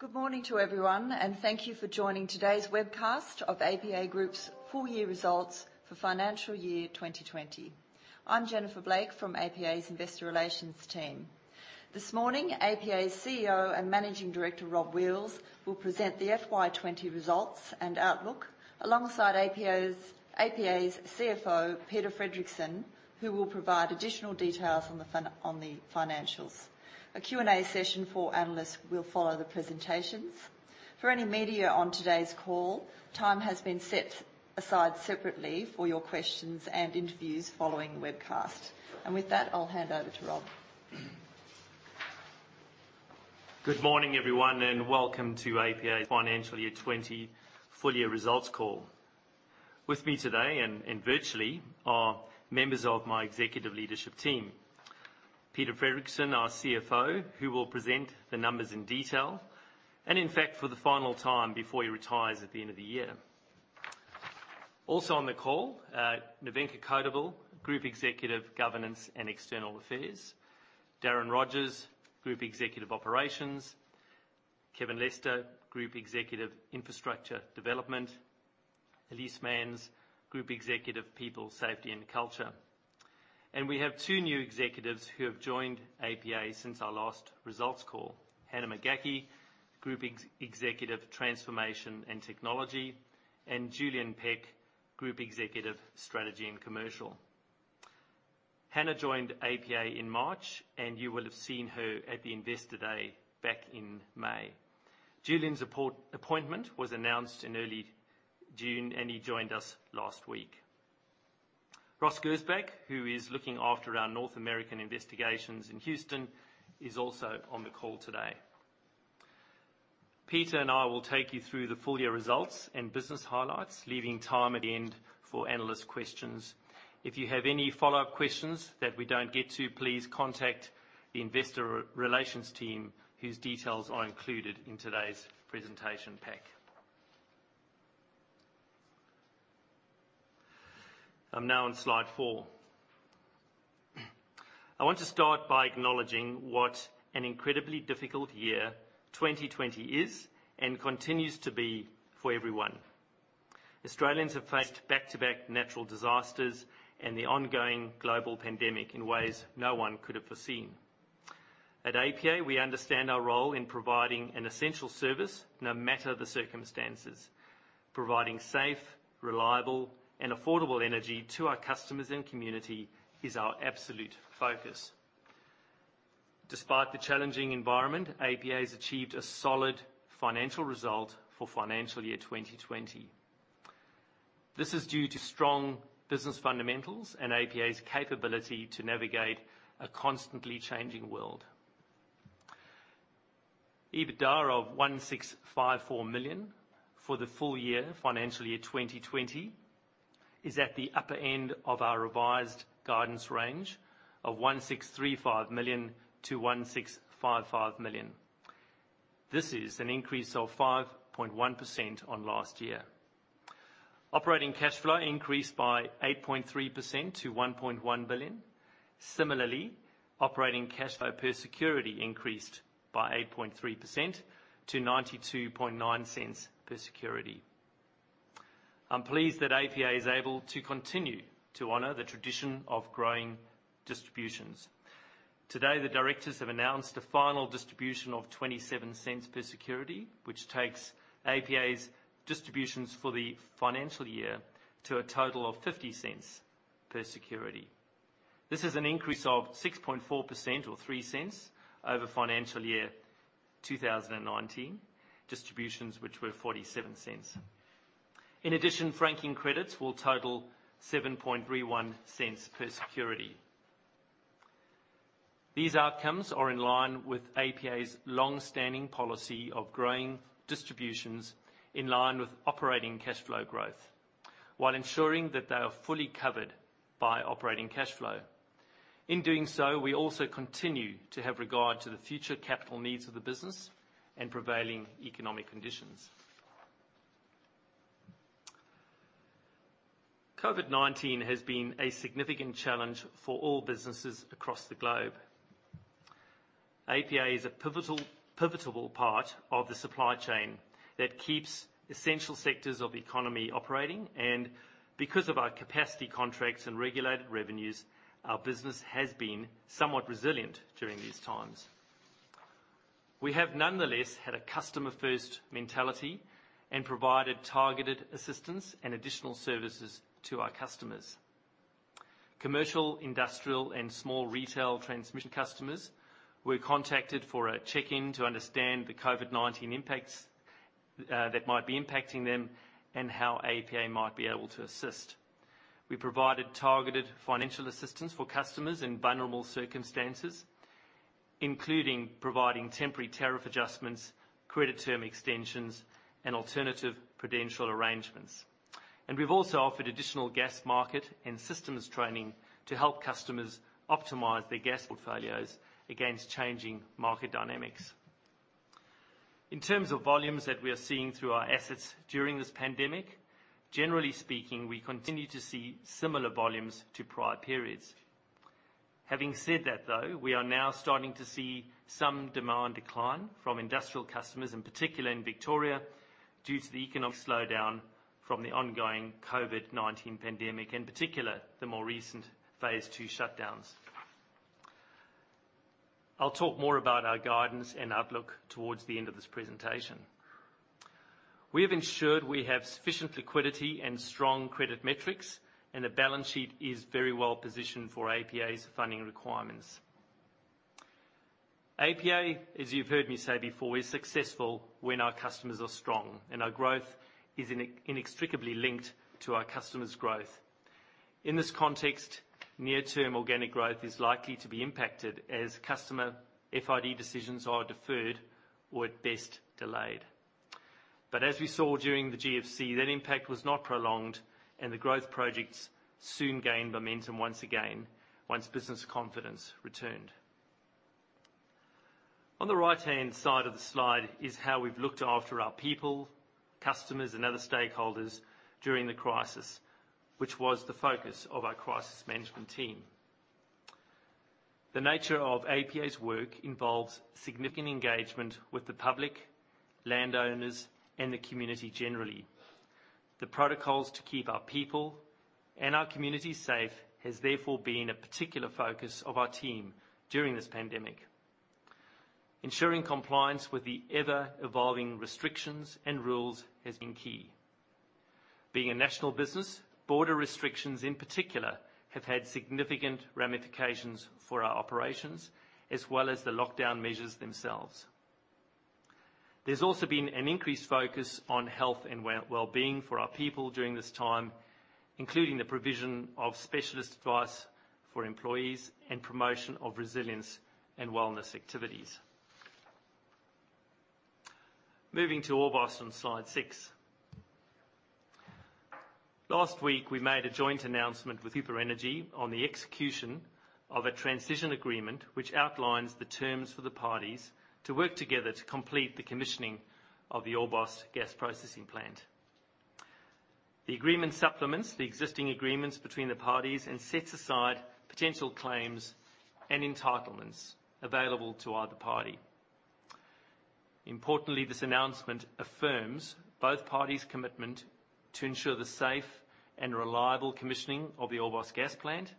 Good morning to everyone, and thank you for joining today's webcast of APA Group's full year results for financial year 2020. I'm Jennifer Blake from APA's Investor Relations team. This morning, APA's CEO and Managing Director, Rob Wheals, will present the FY 2020 results and outlook alongside APA's CFO, Peter Fredricson, who will provide additional details on the financials. A Q&A session for analysts will follow the presentations. For any media on today's call, time has been set aside separately for your questions and interviews following the webcast. With that, I'll hand over to Rob. Good morning, everyone, welcome to APA's Financial Year 2020 full year results call. With me today and virtually are members of my executive leadership team. Peter Fredricson, our CFO, who will present the numbers in detail, and in fact, for the final time before he retires at the end of the year. Also on the call, Nevenka Codevelle, Group Executive, Governance and External Affairs. Darren Rogers, Group Executive Operations. Kevin Lester, Group Executive Infrastructure Development. Elise Manns, Group Executive People, Safety and Culture. We have two new executives who have joined APA since our last results call. Hannah McCaughey, Group Executive Transformation and Technology, and Julian Peck, Group Executive Strategy and Commercial. Hannah joined APA in March, and you will have seen her at the Investor Day back in May. Julian's appointment was announced in early June, and he joined us last week. Ross Gersbach, who is looking after our North American investigations in Houston, is also on the call today. Peter and I will take you through the full year results and business highlights, leaving time at the end for analyst questions. If you have any follow-up questions that we don't get to, please contact the investor relations team, whose details are included in today's presentation pack. I'm now on slide four. I want to start by acknowledging what an incredibly difficult year 2020 is and continues to be for everyone. Australians have faced back-to-back natural disasters and the ongoing global pandemic in ways no one could have foreseen. At APA, we understand our role in providing an essential service no matter the circumstances. Providing safe, reliable, and affordable energy to our customers and community is our absolute focus. Despite the challenging environment, APA has achieved a solid financial result for financial year 2020. This is due to strong business fundamentals and APA's capability to navigate a constantly changing world. EBITDA of 1,654 million for the full year, financial year 2020, is at the upper end of our revised guidance range of 1,635 million-1,655 million. This is an increase of 5.1% on last year. Operating cash flow increased by 8.3% to 1.1 billion. Similarly, operating cash flow per security increased by 8.3% to 0.929 per security. I'm pleased that APA is able to continue to honor the tradition of growing distributions. Today, the directors have announced a final distribution of 0.27 per security, which takes APA's distributions for the financial year to a total of 0.50 per security. This is an increase of 6.4% or 0.03 over financial year 2019 distributions, which were 0.47. In addition, franking credits will total 0.0731 per security. These outcomes are in line with APA's long-standing policy of growing distributions in line with operating cash flow growth while ensuring that they are fully covered by operating cash flow. In doing so, we also continue to have regard to the future capital needs of the business and prevailing economic conditions. COVID-19 has been a significant challenge for all businesses across the globe. APA is a pivotal part of the supply chain that keeps essential sectors of the economy operating, and because of our capacity contracts and regulated revenues, our business has been somewhat resilient during these times. We have nonetheless had a customer-first mentality and provided targeted assistance and additional services to our customers. Commercial, industrial, and small retail transmission customers were contacted for a check-in to understand the COVID-19 impacts that might be impacting them and how APA might be able to assist. We provided targeted financial assistance for customers in vulnerable circumstances, including providing temporary tariff adjustments, credit term extensions, and alternative prudential arrangements. We've also offered additional gas market and systems training to help customers optimize their gas portfolios against changing market dynamics. In terms of volumes that we are seeing through our assets during this pandemic, generally speaking, we continue to see similar volumes to prior periods. Having said that, though, we are now starting to see some demand decline from industrial customers, in particular in Victoria, due to the economic slowdown from the ongoing COVID-19 pandemic, in particular, the more recent phase II shutdowns. I'll talk more about our guidance and outlook towards the end of this presentation. We have ensured we have sufficient liquidity and strong credit metrics, and the balance sheet is very well positioned for APA's funding requirements. APA, as you've heard me say before, is successful when our customers are strong, and our growth is inextricably linked to our customers' growth. In this context, near-term organic growth is likely to be impacted as customer FID decisions are deferred or at best delayed. As we saw during the GFC, that impact was not prolonged, and the growth projects soon gained momentum once again once business confidence returned. On the right-hand side of the slide is how we've looked after our people, customers, and other stakeholders during the crisis, which was the focus of our crisis management team. The nature of APA's work involves significant engagement with the public, landowners, and the community generally. The protocols to keep our people and our community safe has therefore been a particular focus of our team during this pandemic. Ensuring compliance with the ever-evolving restrictions and rules has been key. Being a national business, border restrictions, in particular, have had significant ramifications for our operations as well as the lockdown measures themselves. There's also been an increased focus on health and wellbeing for our people during this time, including the provision of specialist advice for employees and promotion of resilience and wellness activities. Moving to Orbost on slide six. Last week, we made a joint announcement with Cooper Energy on the execution of a transition agreement, which outlines the terms for the parties to work together to complete the commissioning of the Orbost Gas Processing Plant. The agreement supplements the existing agreements between the parties and sets aside potential claims and entitlements available to either party. Importantly, this announcement affirms both parties' commitment to ensure the safe and reliable commissioning of the Orbost Gas Processing Plant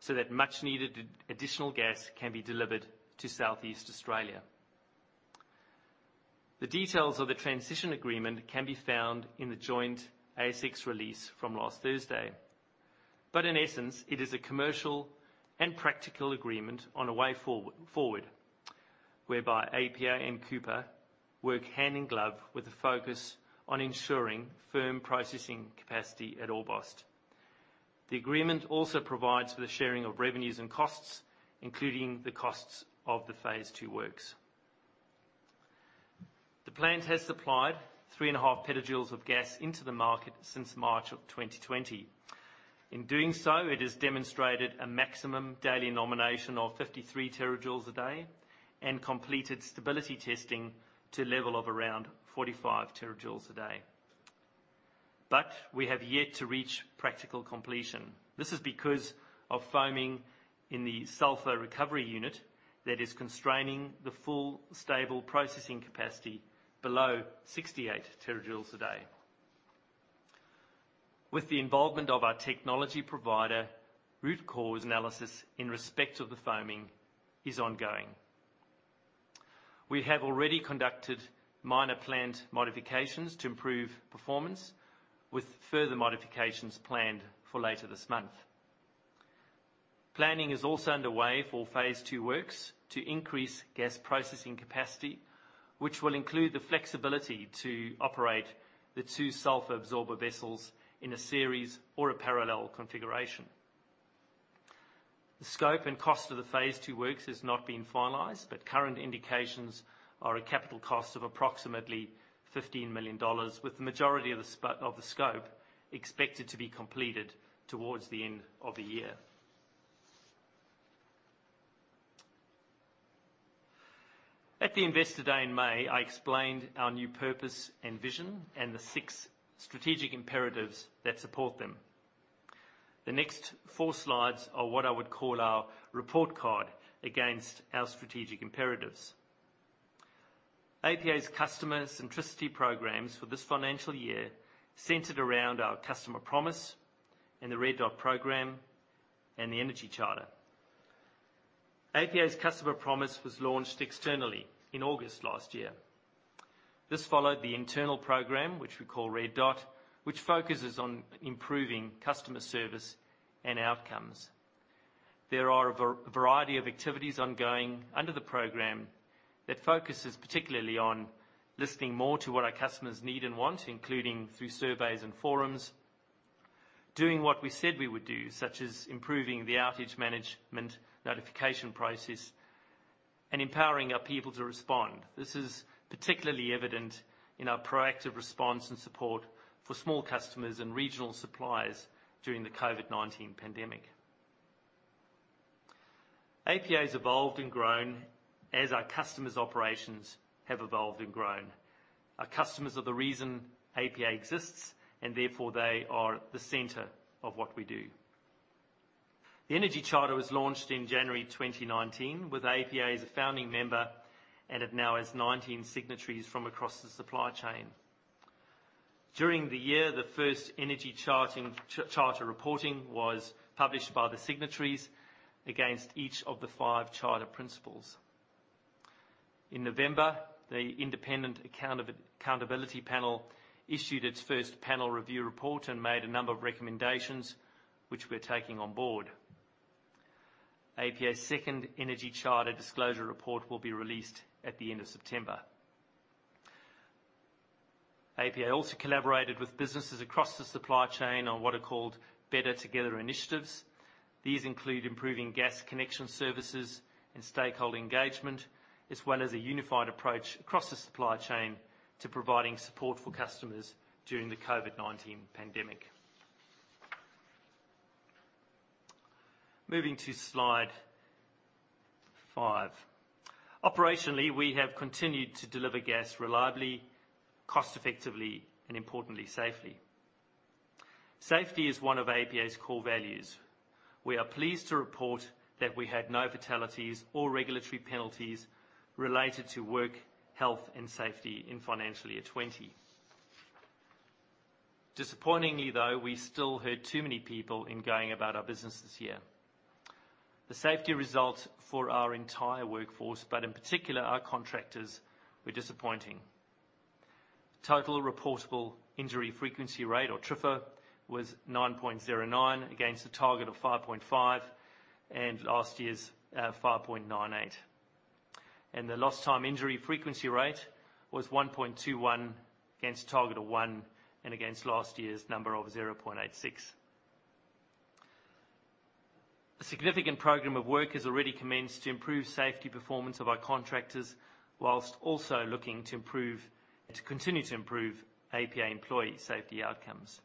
so that much needed additional gas can be delivered to Southeast Australia. The details of the transition agreement can be found in the joint ASX release from last Thursday. In essence, it is a commercial and practical agreement on a way forward whereby APA and Cooper work hand in glove with a focus on ensuring firm processing capacity at Orbost. The agreement also provides for the sharing of revenues and costs, including the costs of the phase II works. The plant has supplied 3.5 PJ of gas into the market since March of 2020. In doing so, it has demonstrated a maximum daily nomination of 53 TJ a day and completed stability testing to level of around 45 terajoules a day. We have yet to reach practical completion. This is because of foaming in the sulfur recovery unit that is constraining the full stable processing capacity below 68 TJ a day. With the involvement of our technology provider, root cause analysis in respect of the foaming is ongoing. We have already conducted minor plant modifications to improve performance with further modifications planned for later this month. Planning is also underway for phase II works to increase gas processing capacity, which will include the flexibility to operate the two sulfur absorber vessels in a series or a parallel configuration. The scope and cost of the phase II works has not been finalized. Current indications are a capital cost of approximately 15 million dollars, with the majority of the scope expected to be completed towards the end of the year. At the Investor Day in May, I explained our new purpose and vision and the six strategic imperatives that support them. The next four slides are what I would call our report card against our strategic imperatives. APA's customer centricity programs for this financial year centered around our customer promise and the Red Dot Program and the Energy Charter. APA's customer promise was launched externally in August last year. This followed the internal program, which we call Red Dot, which focuses on improving customer service and outcomes. There are a variety of activities ongoing under the program that focuses particularly on listening more to what our customers need and want, including through surveys and forums, doing what we said we would do, such as improving the outage management notification process, and empowering our people to respond. This is particularly evident in our proactive response and support for small customers and regional suppliers during the COVID-19 pandemic. APA has evolved and grown as our customers' operations have evolved and grown. Our customers are the reason APA exists, and therefore they are the center of what we do. The Energy Charter was launched in January 2019, with APA as a founding member, and it now has 19 signatories from across the supply chain. During the year, the first Energy Charter reporting was published by the signatories against each of the five charter principles. In November, the independent accountability panel issued its first panel review report and made a number of recommendations which we're taking on board. APA's second Energy Charter disclosure report will be released at the end of September. APA also collaborated with businesses across the supply chain on what are called Better Together initiatives. These include improving gas connection services and stakeholder engagement, as well as a unified approach across the supply chain to providing support for customers during the COVID-19 pandemic. Moving to slide five. Operationally, we have continued to deliver gas reliably, cost-effectively, and importantly, safely. Safety is one of APA's core values. We are pleased to report that we had no fatalities or regulatory penalties related to work, health, and safety in financial year 2020. Disappointingly, though, we still hurt too many people in going about our business this year. The safety result for our entire workforce, but in particular our contractors, were disappointing. Total reportable injury frequency rate, or TRIFR, was 9.09 against a target of 5.5 and last year's 5.98. The lost time injury frequency rate was 1.21 against a target of one and against last year's number of 0.86. A significant program of work has already commenced to improve safety performance of our contractors, while also looking to continue to improve APA employee safety outcomes.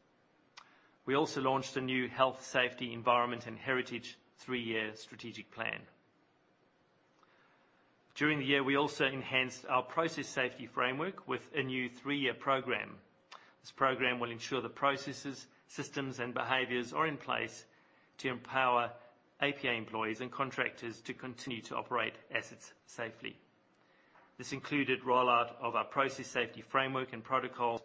We also launched a new health, safety, environment, and heritage three-year strategic plan. During the year, we also enhanced our process safety framework with a new three-year program. This program will ensure the processes, systems, and behaviors are in place to empower APA employees and contractors to continue to operate assets safely. This included rollout of our process safety framework and protocol,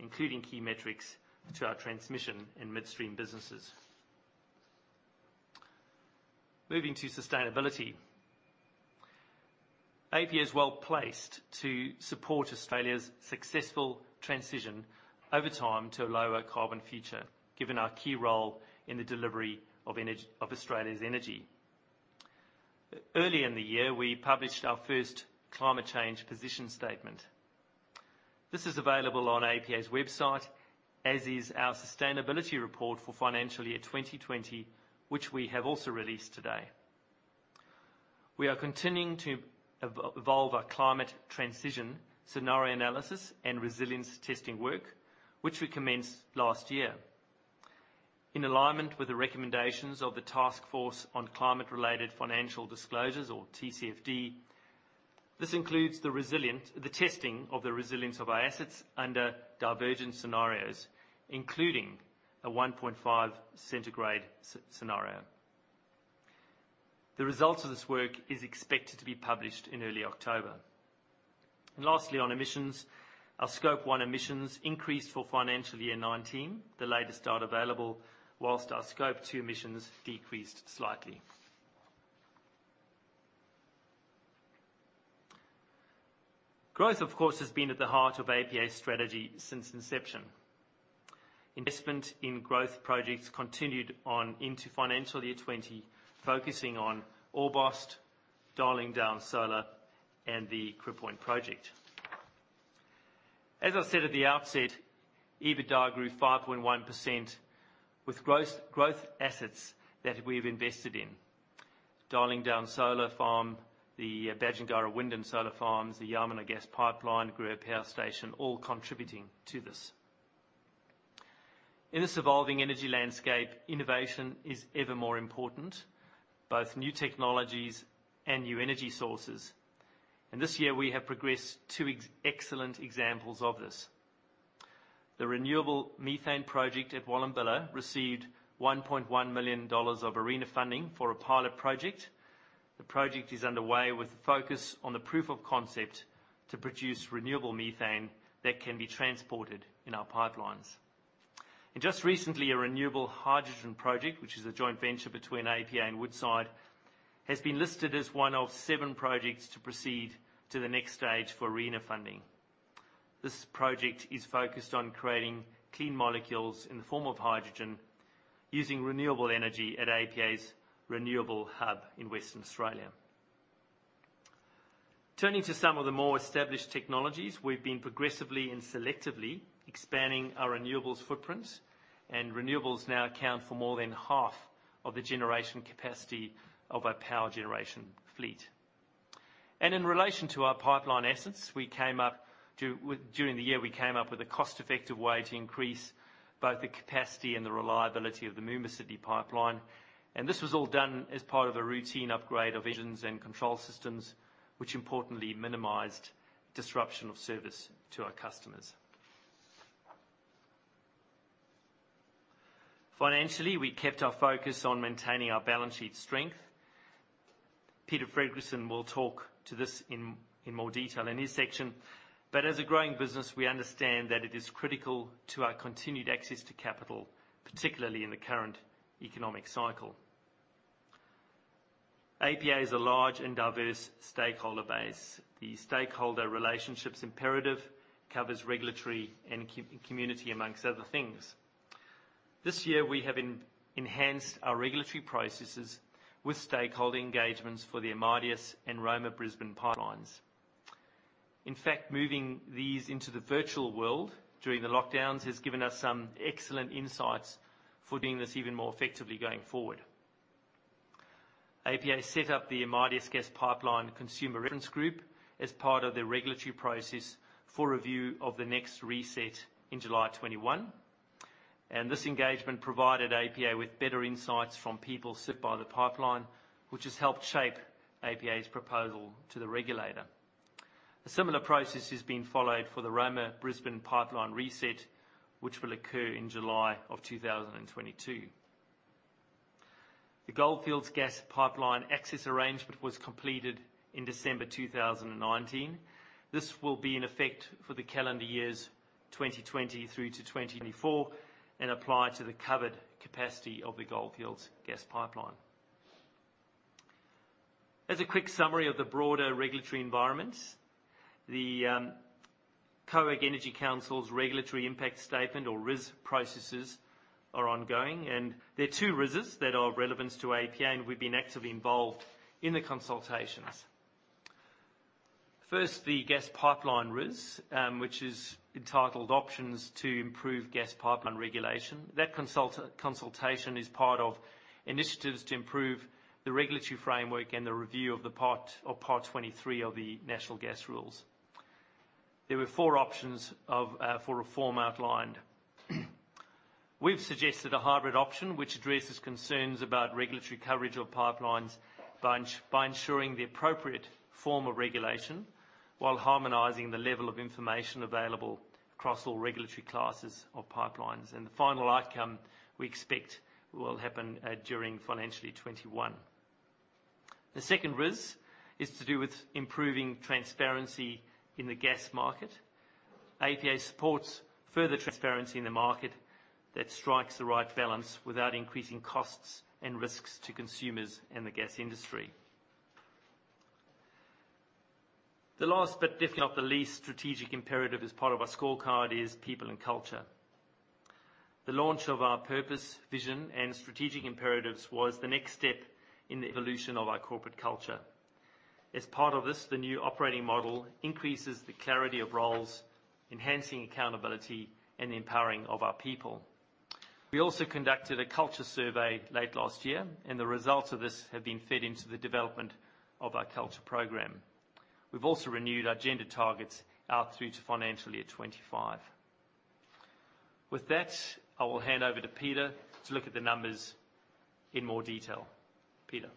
including key metrics to our transmission and midstream businesses. Moving to sustainability. APA is well-placed to support Australia's successful transition over time to a lower carbon future, given our key role in the delivery of Australia's energy. Early in the year, we published our first climate change position statement. This is available on APA Group's website, as is our sustainability report for financial year 2020, which we have also released today. We are continuing to evolve our climate transition scenario analysis and resilience testing work, which we commenced last year. In alignment with the recommendations of the Task Force on Climate-related Financial Disclosures, or TCFD, this includes the testing of the resilience of our assets under divergent scenarios, including a 1.5 centigrade scenario. The results of this work is expected to be published in early October. Lastly, on emissions, our Scope 1 emissions increased for financial year 2019, the latest data available, whilst our Scope 2 emissions decreased slightly. Growth, of course, has been at the heart of APA Group's strategy since inception. Investment in growth projects continued on into financial year 2020, focusing on Orbost, Darling Downs Solar, and the Crib Point project. As I said at the outset, EBITDA grew 5.1% with growth assets that we've invested in. Darling Downs Solar Farm, the Badgingarra Wind and Solar Farms, the Yarwun Gas Pipeline, Gruyere Power Station, all contributing to this. In this evolving energy landscape, innovation is ever more important, both new technologies and new energy sources. This year, we have progressed two excellent examples of this. The renewable methane project at Wallumbilla received 1.1 million dollars of ARENA funding for a pilot project. The project is underway with a focus on the proof of concept to produce renewable methane that can be transported in our pipelines. Just recently, a renewable hydrogen project, which is a joint venture between APA and Woodside, has been listed as one of seven projects to proceed to the next stage for ARENA funding. This project is focused on creating clean molecules in the form of hydrogen using renewable energy at APA's renewable hub in Western Australia. Turning to some of the more established technologies, we've been progressively and selectively expanding our renewables footprint, and renewables now account for more than half of the generation capacity of our power generation fleet. In relation to our pipeline assets, during the year we came up with a cost-effective way to increase both the capacity and the reliability of the Moomba Sydney Pipeline. This was all done as part of a routine upgrade of engines and control systems, which importantly minimized disruption of service to our customers. Financially, we kept our focus on maintaining our balance sheet strength. Peter Fredricson will talk to this in more detail in his section. As a growing business, we understand that it is critical to our continued access to capital, particularly in the current economic cycle. APA is a large and diverse stakeholder base. The stakeholder relationship's imperative covers regulatory and community, among other things. This year, we have enhanced our regulatory processes with stakeholder engagements for the Amadeus and Roma Brisbane pipelines. Moving these into the virtual world during the lockdowns has given us some excellent insights for doing this even more effectively going forward. APA set up the Amadeus Gas Pipeline Consumer Reference Group as part of the regulatory process for review of the next reset in July 2021, and this engagement provided APA with better insights from people served by the pipeline, which has helped shape APA's proposal to the regulator. A similar process is being followed for the Roma Brisbane Pipeline reset, which will occur in July of 2022. The Goldfields Gas Pipeline access arrangement was completed in December 2019. This will be in effect for the calendar years 2020 through to 2024, and apply to the covered capacity of the Goldfields Gas Pipeline. As a quick summary of the broader regulatory environments, the COAG Energy Council's regulatory impact statement or RIS processes are ongoing, and there are two RISs that are of relevance to APA, and we've been actively involved in the consultations. First, the gas pipeline RIS, which is entitled Options to Improve Gas Pipeline Regulation. That consultation is part of initiatives to improve the regulatory framework and the review of Part 23 of the National Gas Rules. There were four options for reform outlined. We've suggested a hybrid option, which addresses concerns about regulatory coverage of pipelines by ensuring the appropriate form of regulation, while harmonizing the level of information available across all regulatory classes of pipelines. The final outcome, we expect, will happen during financially year 2021. The second RIS is to do with improving transparency in the gas market. APA supports further transparency in the market that strikes the right balance without increasing costs and risks to consumers in the gas industry. The last, but definitely not the least strategic imperative as part of our scorecard is people and culture. The launch of our purpose, vision, and strategic imperatives was the next step in the evolution of our corporate culture. As part of this, the new operating model increases the clarity of roles, enhancing accountability and empowering of our people. We also conducted a culture survey late last year, and the results of this have been fed into the development of our culture program. We've also renewed our gender targets out through to financial year 2025. With that, I will hand over to Peter to look at the numbers in more detail. Peter.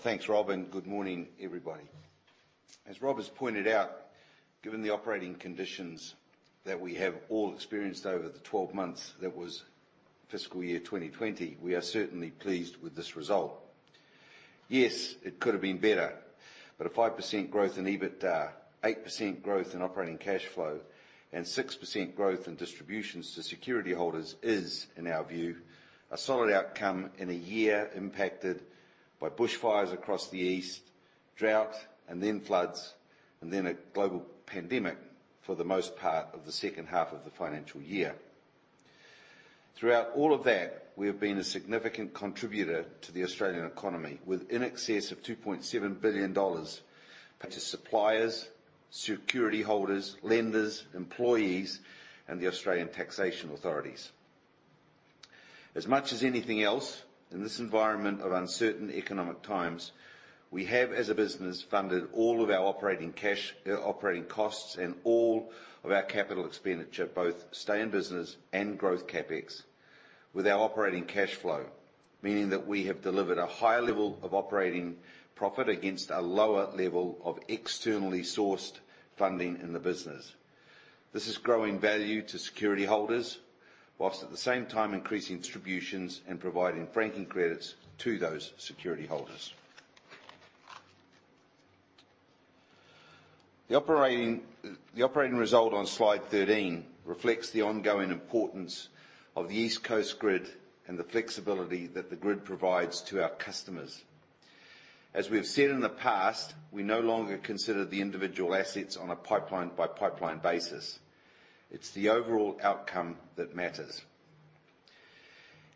Thanks, Rob, and good morning, everybody. As Rob has pointed out, given the operating conditions that we have all experienced over the 12 months that was fiscal year 2020, we are certainly pleased with this result. Yes, it could have been better, but a 5% growth in EBITDA, 8% growth in operating cash flow, and 6% growth in distributions to security holders is, in our view, a solid outcome in a year impacted by bushfires across the east, drought and then floods, and then a global pandemic for the most part of the second half of the financial year. Throughout all of that, we have been a significant contributor to the Australian economy, with in excess of 2.7 billion dollars paid to suppliers, security holders, lenders, employees, and the Australian taxation authorities. As much as anything else, in this environment of uncertain economic times, we have, as a business, funded all of our operating costs and all of our capital expenditure, both stay-in-business and growth CapEx, with our operating cash flow. Meaning that we have delivered a higher level of operating profit against a lower level of externally sourced funding in the business. This is growing value to security holders, whilst at the same time increasing distributions and providing franking credits to those security holders. The operating result on slide 13 reflects the ongoing importance of the East Coast Grid and the flexibility that the grid provides to our customers. As we have said in the past, we no longer consider the individual assets on a pipeline-by-pipeline basis. It's the overall outcome that matters.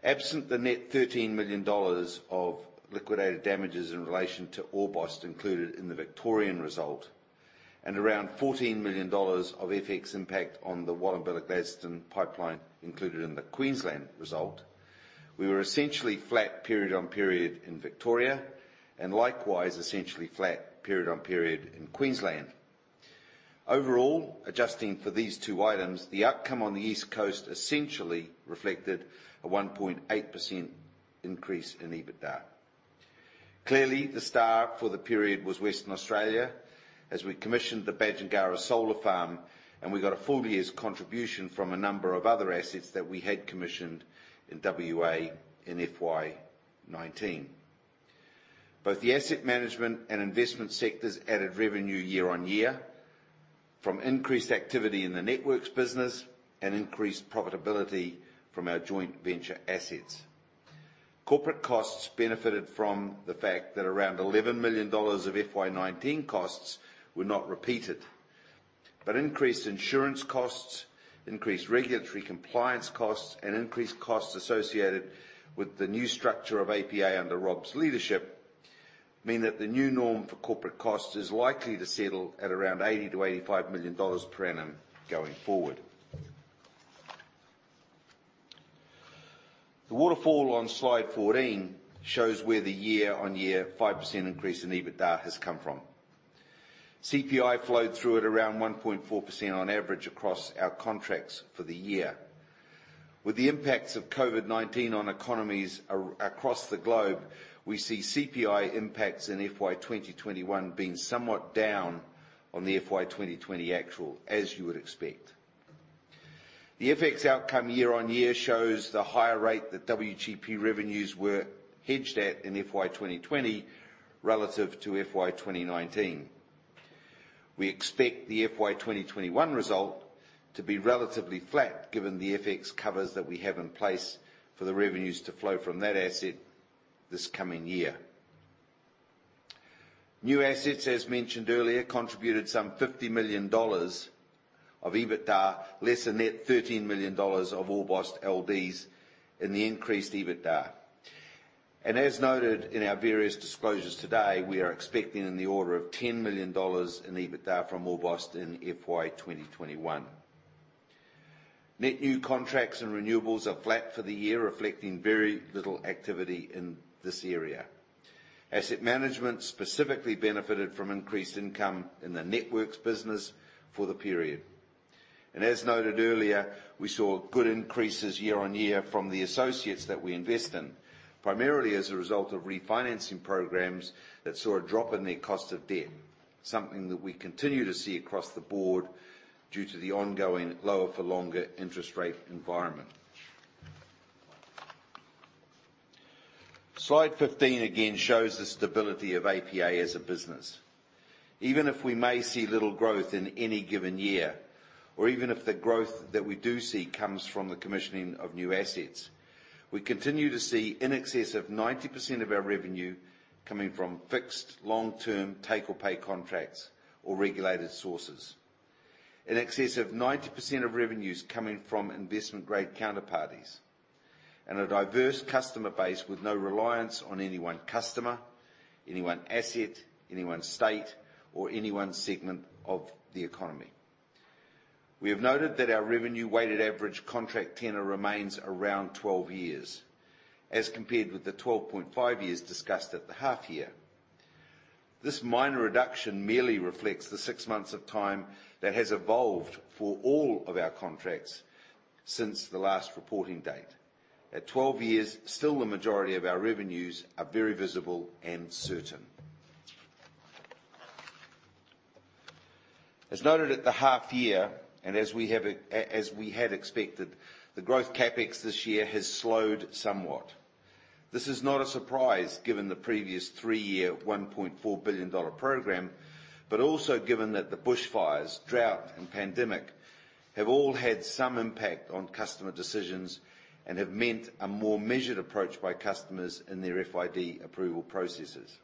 Absent the net 13 million dollars of liquidated damages in relation to Orbost included in the Victorian result, and around 14 million dollars of FX impact on the Wallumbilla Gladstone Pipeline included in the Queensland result. We were essentially flat period on period in Victoria, and likewise, essentially flat period on period in Queensland. Overall, adjusting for these two items, the outcome on the East Coast essentially reflected a 1.8% increase in EBITDA. Clearly, the star for the period was Western Australia, as we commissioned the Badgingarra Solar Farm, and we got a full year's contribution from a number of other assets that we had commissioned in WA in FY 2019. Both the asset management and investment sectors added revenue year on year from increased activity in the networks business and increased profitability from our joint venture assets. Corporate costs benefited from the fact that around 11 million dollars of FY 2019 costs were not repeated. Increased insurance costs, increased regulatory compliance costs, and increased costs associated with the new structure of APA under Rob's leadership, mean that the new norm for corporate costs is likely to settle at around 80 million-85 million dollars per annum going forward. The waterfall on slide 14 shows where the year-on-year 5% increase in EBITDA has come from. CPI flowed through at around 1.4% on average across our contracts for the year. With the impacts of COVID-19 on economies across the globe, we see CPI impacts in FY 2021 being somewhat down on the FY 2020 actual, as you would expect. The FX outcome year-on-year shows the higher rate that WGP revenues were hedged at in FY 2020 relative to FY 2019. We expect the FY 2021 result to be relatively flat given the FX covers that we have in place for the revenues to flow from that asset this coming year. New assets, as mentioned earlier, contributed some 50 million dollars of EBITDA, less a net 13 million dollars of Orbost LDs in the increased EBITDA. As noted in our various disclosures today, we are expecting in the order of 10 million dollars in EBITDA from Orbost in FY 2021. Net new contracts and renewables are flat for the year, reflecting very little activity in this area. Asset management specifically benefited from increased income in the networks business for the period. As noted earlier, we saw good increases year-on-year from the associates that we invest in, primarily as a result of refinancing programs that saw a drop in their cost of debt, something that we continue to see across the board due to the ongoing lower for longer interest rate environment. Slide 15 again shows the stability of APA as a business. Even if we may see little growth in any given year, or even if the growth that we do see comes from the commissioning of new assets, we continue to see in excess of 90% of our revenue coming from fixed long-term take or pay contracts or regulated sources. In excess of 90% of revenues coming from investment grade counterparties, and a diverse customer base with no reliance on any one customer, any one asset, any one state, or any one segment of the economy. We have noted that our revenue weighted average contract tenure remains around 12 years as compared with the 12.5 years discussed at the half year. This minor reduction merely reflects the six months of time that has evolved for all of our contracts since the last reporting date. At 12 years, still the majority of our revenues are very visible and certain. As noted at the half year, and as we had expected, the growth CapEx this year has slowed somewhat. This is not a surprise given the previous three-year, 1.4 billion dollar program, but also given that the bushfires, drought, and pandemic have all had some impact on customer decisions and have meant a more measured approach by customers in their FID approval processes.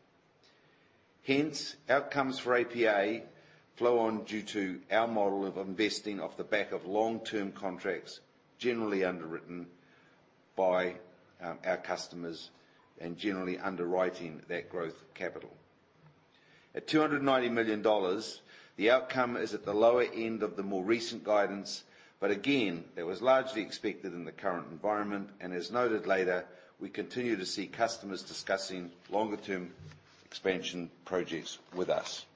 Hence, outcomes for APA flow on due to our model of investing off the back of long-term contracts, generally underwritten by our customers and generally underwriting that growth capital. At 290 million dollars, the outcome is at the lower end of the more recent guidance. Again, that was largely expected in the current environment. As noted later, we continue to see customers discussing longer-term expansion projects with us.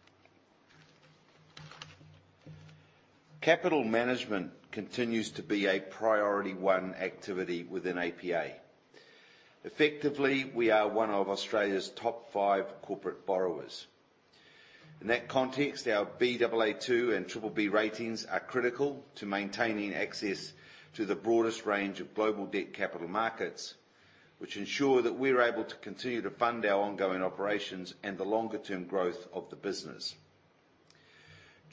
Capital management continues to be a priority one activity within APA. Effectively, we are one of Australia's top five corporate borrowers. In that context, our Baa2 and BBB ratings are critical to maintaining access to the broadest range of global debt capital markets, which ensure that we are able to continue to fund our ongoing operations and the longer-term growth of the business.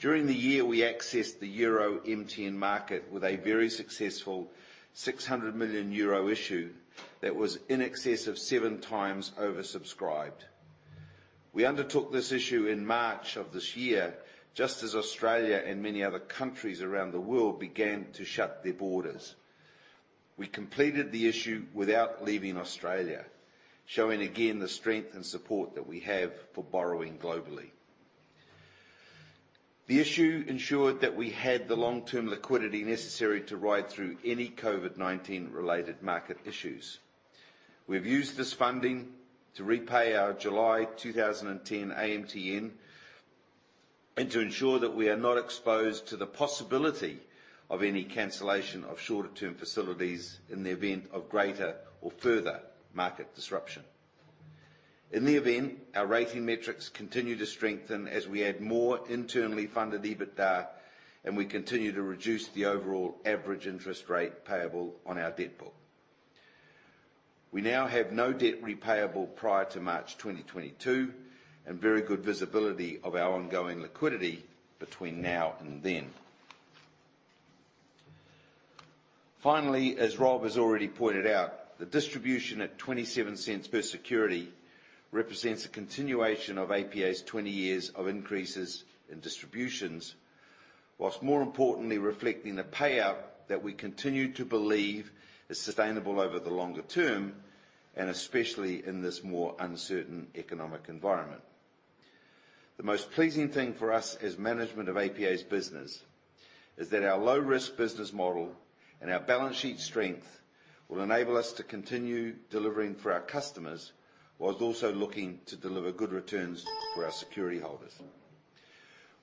During the year, we accessed the Euro MTN market with a very successful 600 million euro issue that was in excess of seven times oversubscribed. We undertook this issue in March of this year, just as Australia and many other countries around the world began to shut their borders. We completed the issue without leaving Australia, showing again the strength and support that we have for borrowing globally. The issue ensured that we had the long-term liquidity necessary to ride through any COVID-19 related market issues. We have used this funding to repay our July 2010 AMTN, and to ensure that we are not exposed to the possibility of any cancellation of shorter term facilities in the event of greater or further market disruption. In the event, our rating metrics continue to strengthen as we add more internally funded EBITDA, and we continue to reduce the overall average interest rate payable on our debt book. We now have no debt repayable prior to March 2022, and very good visibility of our ongoing liquidity between now and then. As Rob has already pointed out, the distribution at 0.27 per security represents a continuation of APA Group's 20 years of increases in distributions, whilst more importantly reflecting the payout that we continue to believe is sustainable over the longer term, and especially in this more uncertain economic environment. The most pleasing thing for us as management of APA Group's business is that our low risk business model and our balance sheet strength will enable us to continue delivering for our customers, whilst also looking to deliver good returns for our security holders.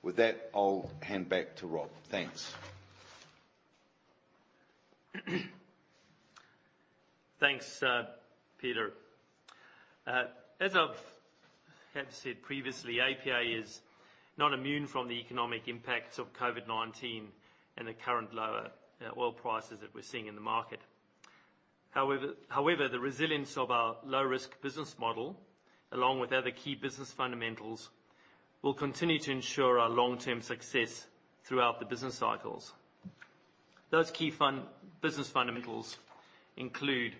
With that, I'll hand back to Rob. Thanks. Thanks, Peter. As I have said previously, APA is not immune from the economic impacts of COVID-19 and the current lower oil prices that we're seeing in the market. The resilience of our low risk business model, along with other key business fundamentals, will continue to ensure our long-term success throughout the business cycles. Those key business fundamentals include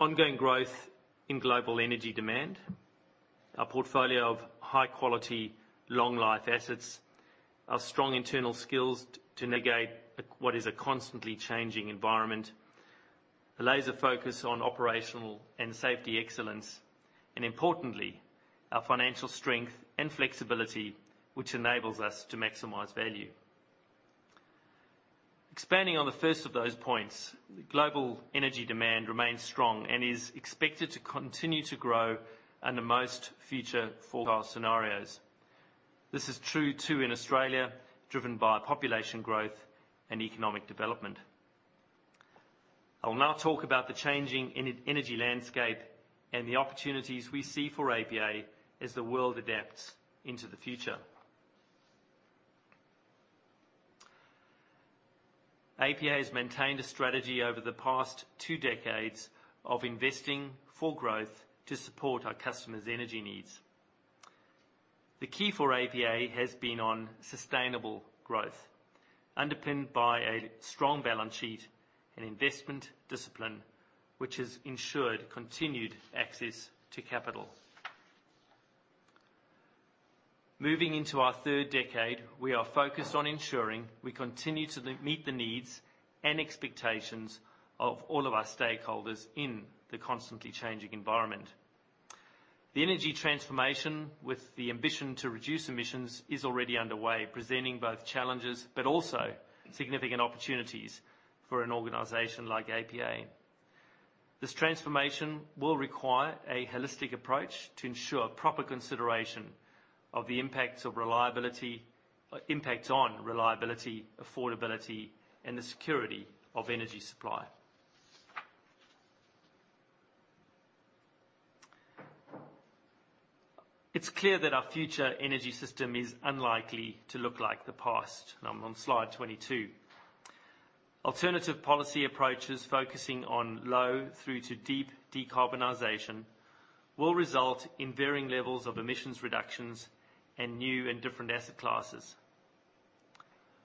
ongoing growth in global energy demand, a portfolio of high-quality, long-life assets, our strong internal skills to navigate what is a constantly changing environment, a laser focus on operational and safety excellence, and importantly, our financial strength and flexibility, which enables us to maximize value. Expanding on the first of those points, global energy demand remains strong and is expected to continue to grow under most future forecast scenarios. This is true too in Australia, driven by population growth and economic development. I will now talk about the changing energy landscape and the opportunities we see for APA as the world adapts into the future. APA has maintained a strategy over the past two decades of investing for growth to support our customers' energy needs. The key for APA has been on sustainable growth, underpinned by a strong balance sheet and investment discipline, which has ensured continued access to capital. Moving into our third decade, we are focused on ensuring we continue to meet the needs and expectations of all of our stakeholders in the constantly changing environment. The energy transformation with the ambition to reduce emissions is already underway, presenting both challenges but also significant opportunities for an organization like APA. This transformation will require a holistic approach to ensure proper consideration of the impacts on reliability, affordability, and the security of energy supply. It's clear that our future energy system is unlikely to look like the past. Now I'm on slide 22. Alternative policy approaches focusing on low through to deep decarbonization will result in varying levels of emissions reductions and new and different asset classes.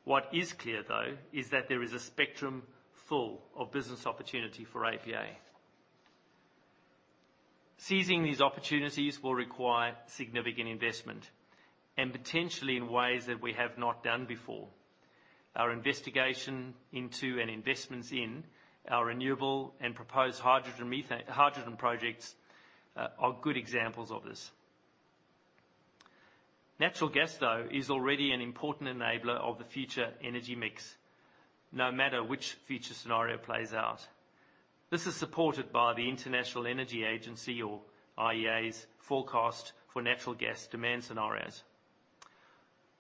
What is clear though, is that there is a spectrum full of business opportunity for APA. Seizing these opportunities will require significant investment, and potentially in ways that we have not done before. Our investigation into and investments in our renewable and proposed hydrogen projects are good examples of this. Natural gas, though, is already an important enabler of the future energy mix, no matter which future scenario plays out. This is supported by the International Energy Agency, or IEA's, forecast for natural gas demand scenarios.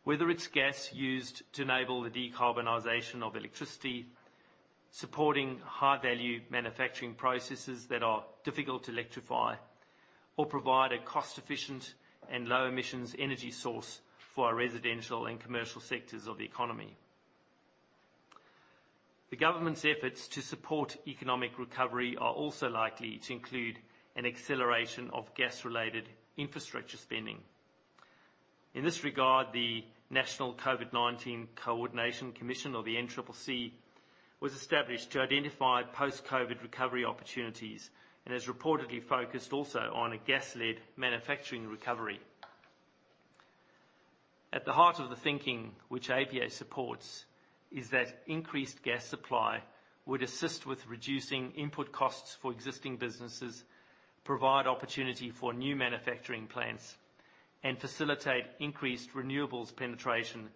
Whether it's gas used to enable the decarbonization of electricity, supporting high-value manufacturing processes that are difficult to electrify or provide a cost-efficient and low emissions energy source for our residential and commercial sectors of the economy. The government's efforts to support economic recovery are also likely to include an acceleration of gas-related infrastructure spending. In this regard, the National COVID-19 Coordination Commission, or the NCCC, was established to identify post-COVID recovery opportunities and has reportedly focused also on a gas-led manufacturing recovery. At the heart of the thinking which APA supports is that increased gas supply would assist with reducing input costs for existing businesses, provide opportunity for new manufacturing plants, and facilitate increased renewables penetration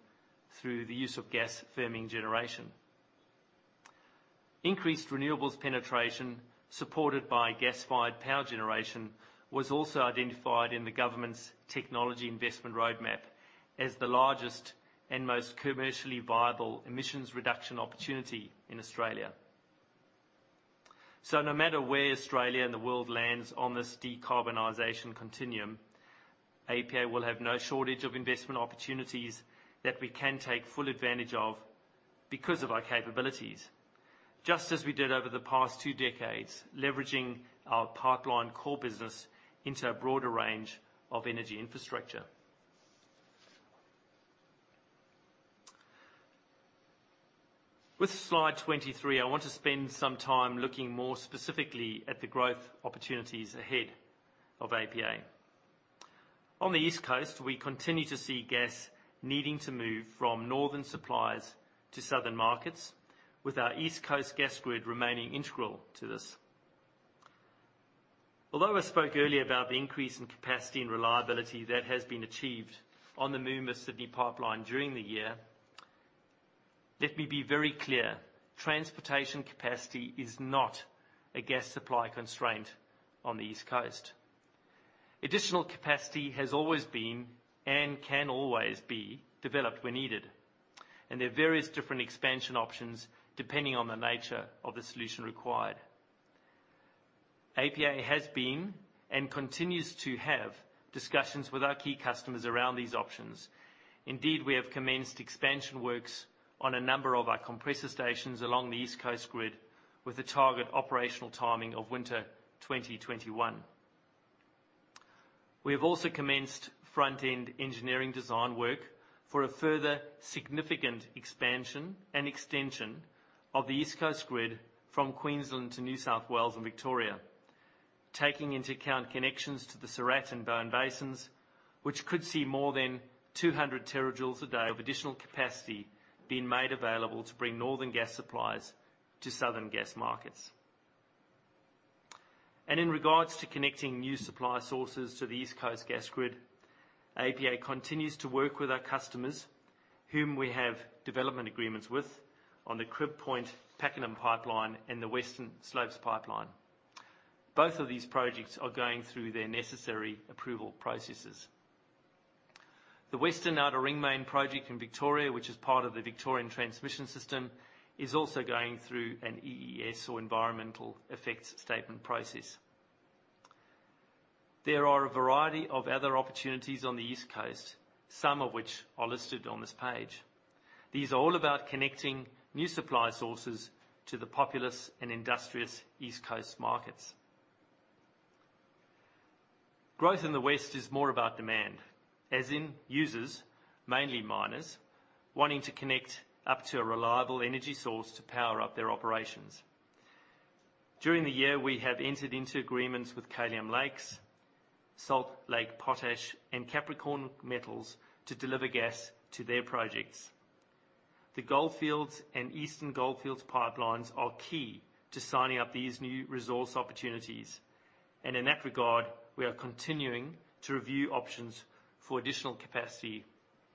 through the use of gas firming generation. Increased renewables penetration, supported by gas-fired power generation, was also identified in the government's Technology Investment Roadmap as the largest and most commercially viable emissions reduction opportunity in Australia. No matter where Australia and the world lands on this decarbonization continuum, APA will have no shortage of investment opportunities that we can take full advantage of because of our capabilities. Just as we did over the past two decades, leveraging our pipeline core business into a broader range of energy infrastructure. With slide 23, I want to spend some time looking more specifically at the growth opportunities ahead of APA. On the East Coast, we continue to see gas needing to move from northern suppliers to southern markets, with our East Coast Gas Grid remaining integral to this. Although I spoke earlier about the increase in capacity and reliability that has been achieved on the Moomba Sydney Pipeline during the year, let me be very clear, transportation capacity is not a gas supply constraint on the East Coast. Additional capacity has always been, and can always be, developed when needed, and there are various different expansion options depending on the nature of the solution required. APA has been, and continues to have, discussions with our key customers around these options. Indeed, we have commenced expansion works on a number of our compressor stations along the East Coast Gas Grid, with a target operational timing of winter 2021. We have also commenced front-end engineering design work for a further significant expansion and extension of the East Coast Gas Grid from Queensland to New South Wales and Victoria. Taking into account connections to the Surat and Bowen basins, which could see more than 200 terajoules a day of additional capacity being made available to bring northern gas supplies to southern gas markets. In regards to connecting new supply sources to the East Coast Gas Grid, APA continues to work with our customers, whom we have development agreements with, on the Crib Point-Pakenham pipeline and the Western Slopes Pipeline. Both of these projects are going through their necessary approval processes. The Western Outer Ring Main project in Victoria, which is part of the Victorian Transmission System, is also going through an EES, or environmental effects statement process. There are a variety of other opportunities on the East Coast, some of which are listed on this page. These are all about connecting new supply sources to the populous and industrious East Coast markets. Growth in the west is more about demand, as in users, mainly miners, wanting to connect up to a reliable energy source to power up their operations. During the year, we have entered into agreements with Kalium Lakes, Salt Lake Potash, and Capricorn Metals to deliver gas to their projects. The Goldfields and Eastern Goldfields pipelines are key to signing up these new resource opportunities, and in that regard, we are continuing to review options for additional capacity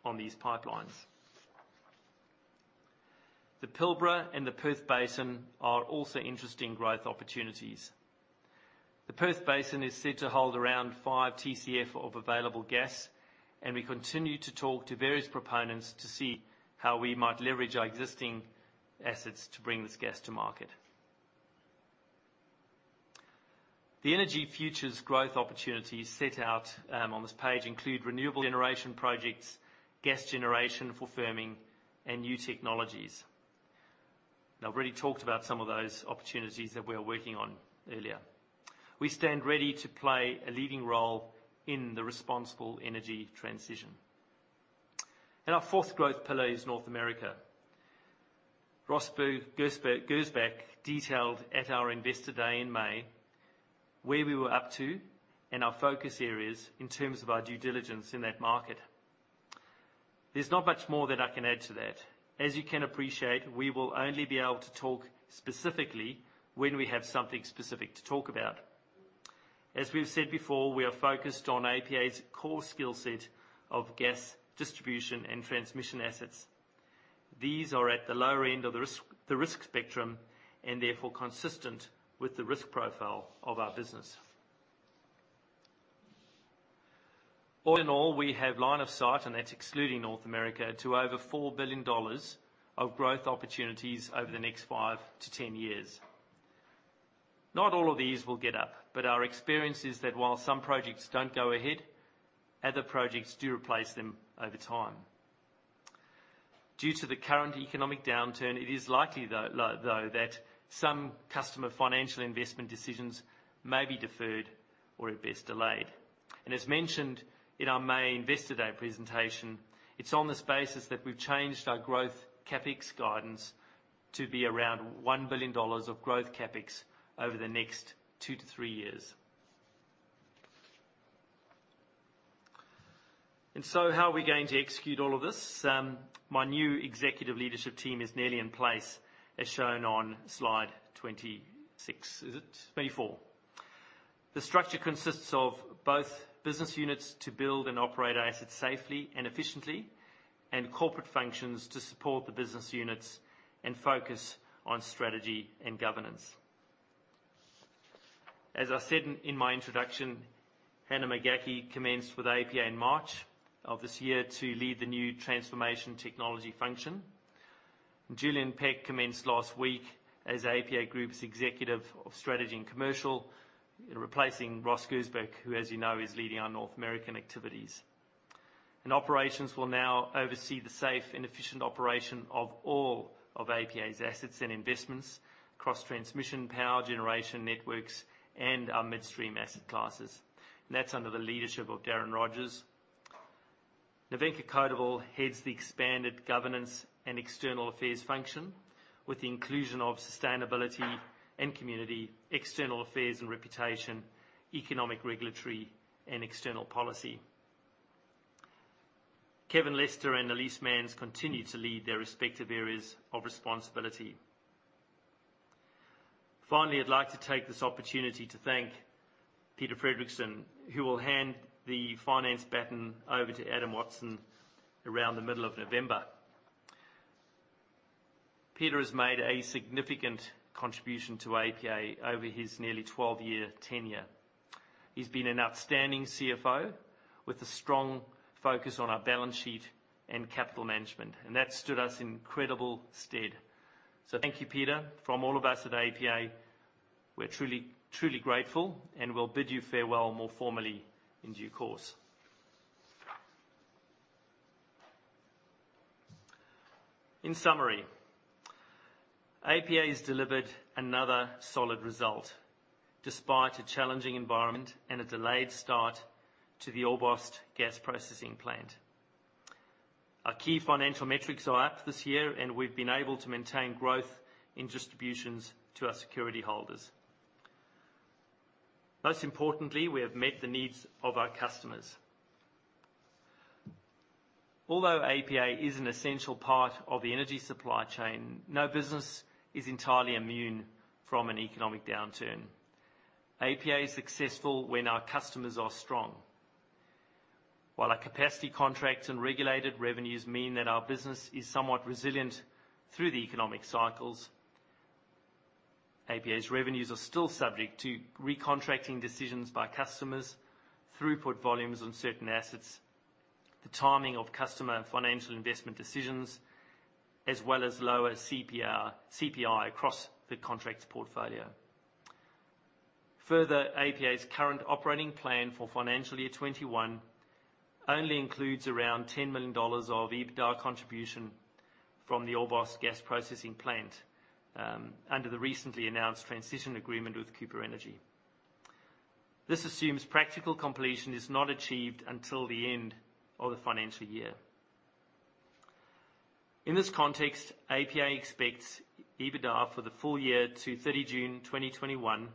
on these pipelines. The Pilbara and the Perth Basin are also interesting growth opportunities. The Perth Basin is said to hold around five TCF of available gas, and we continue to talk to various proponents to see how we might leverage our existing assets to bring this gas to market. The energy futures growth opportunities set out on this page include renewable generation projects, gas generation for firming, and new technologies. I've already talked about some of those opportunities that we are working on earlier. We stand ready to play a leading role in the responsible energy transition. Our fourth growth pillar is North America. Ross Gersbach detailed at our Investor Day in May, where we were up to and our focus areas in terms of our due diligence in that market. There's not much more that I can add to that. As you can appreciate, we will only be able to talk specifically when we have something specific to talk about. As we've said before, we are focused on APA's core skill set of gas distribution and transmission assets. These are at the lower end of the risk spectrum and therefore consistent with the risk profile of our business. All in all, we have line of sight, and that's excluding North America, to over 4 billion dollars of growth opportunities over the next 5-10 years. Not all of these will get up, but our experience is that while some projects don't go ahead, other projects do replace them over time. Due to the current economic downturn, it is likely though that some customer financial investment decisions may be deferred or at best delayed. As mentioned in our May Investor Day presentation, it's on this basis that we've changed our growth CapEx guidance to be around 1 billion dollars of growth CapEx over the next 2-3 years. How are we going to execute all of this? My new executive leadership team is nearly in place, as shown on slide 26. Is it? 24. The structure consists of both business units to build and operate assets safely and efficiently, and corporate functions to support the business units and focus on strategy and governance. As I said in my introduction, Hannah McCaughey commenced with APA in March of this year to lead the new Transformation and Technology function. Julian Peck commenced last week as APA Group's Executive of Strategy and Commercial, replacing Ross Gersbach, who, as you know, is leading our North American activities. Operations will now oversee the safe and efficient operation of all of APA's assets and investments across transmission, power generation networks, and our midstream asset classes. That's under the leadership of Darren Rogers. Nevenka Codevelle heads the expanded Governance and External Affairs function with the inclusion of sustainability and community, external affairs and reputation, economic, regulatory, and external policy. Kevin Lester and Elise Mans continue to lead their respective areas of responsibility. I'd like to take this opportunity to thank Peter Fredricson, who will hand the finance baton over to Adam Watson around the middle of November. Peter has made a significant contribution to APA over his nearly 12-year tenure. He's been an outstanding CFO with a strong focus on our balance sheet and capital management, that stood us in incredible stead. Thank you, Peter. From all of us at APA, we're truly grateful, we'll bid you farewell more formally in due course. In summary, APA has delivered another solid result despite a challenging environment and a delayed start to the Orbost Gas Processing Plant. Our key financial metrics are up this year, we've been able to maintain growth in distributions to our security holders. Most importantly, we have met the needs of our customers. Although APA is an essential part of the energy supply chain, no business is entirely immune from an economic downturn. APA is successful when our customers are strong. While our capacity contracts and regulated revenues mean that our business is somewhat resilient through the economic cycles, APA's revenues are still subject to recontracting decisions by customers, throughput volumes on certain assets, the timing of customer and financial investment decisions, as well as lower CPI across the contracts portfolio. Further, APA's current operating plan for financial year 2021 only includes around 10 million dollars of EBITDA contribution from the Orbost Gas Processing Plant, under the recently announced transition agreement with Cooper Energy. This assumes practical completion is not achieved until the end of the financial year. In this context, APA expects EBITDA for the full year to 30 June 2021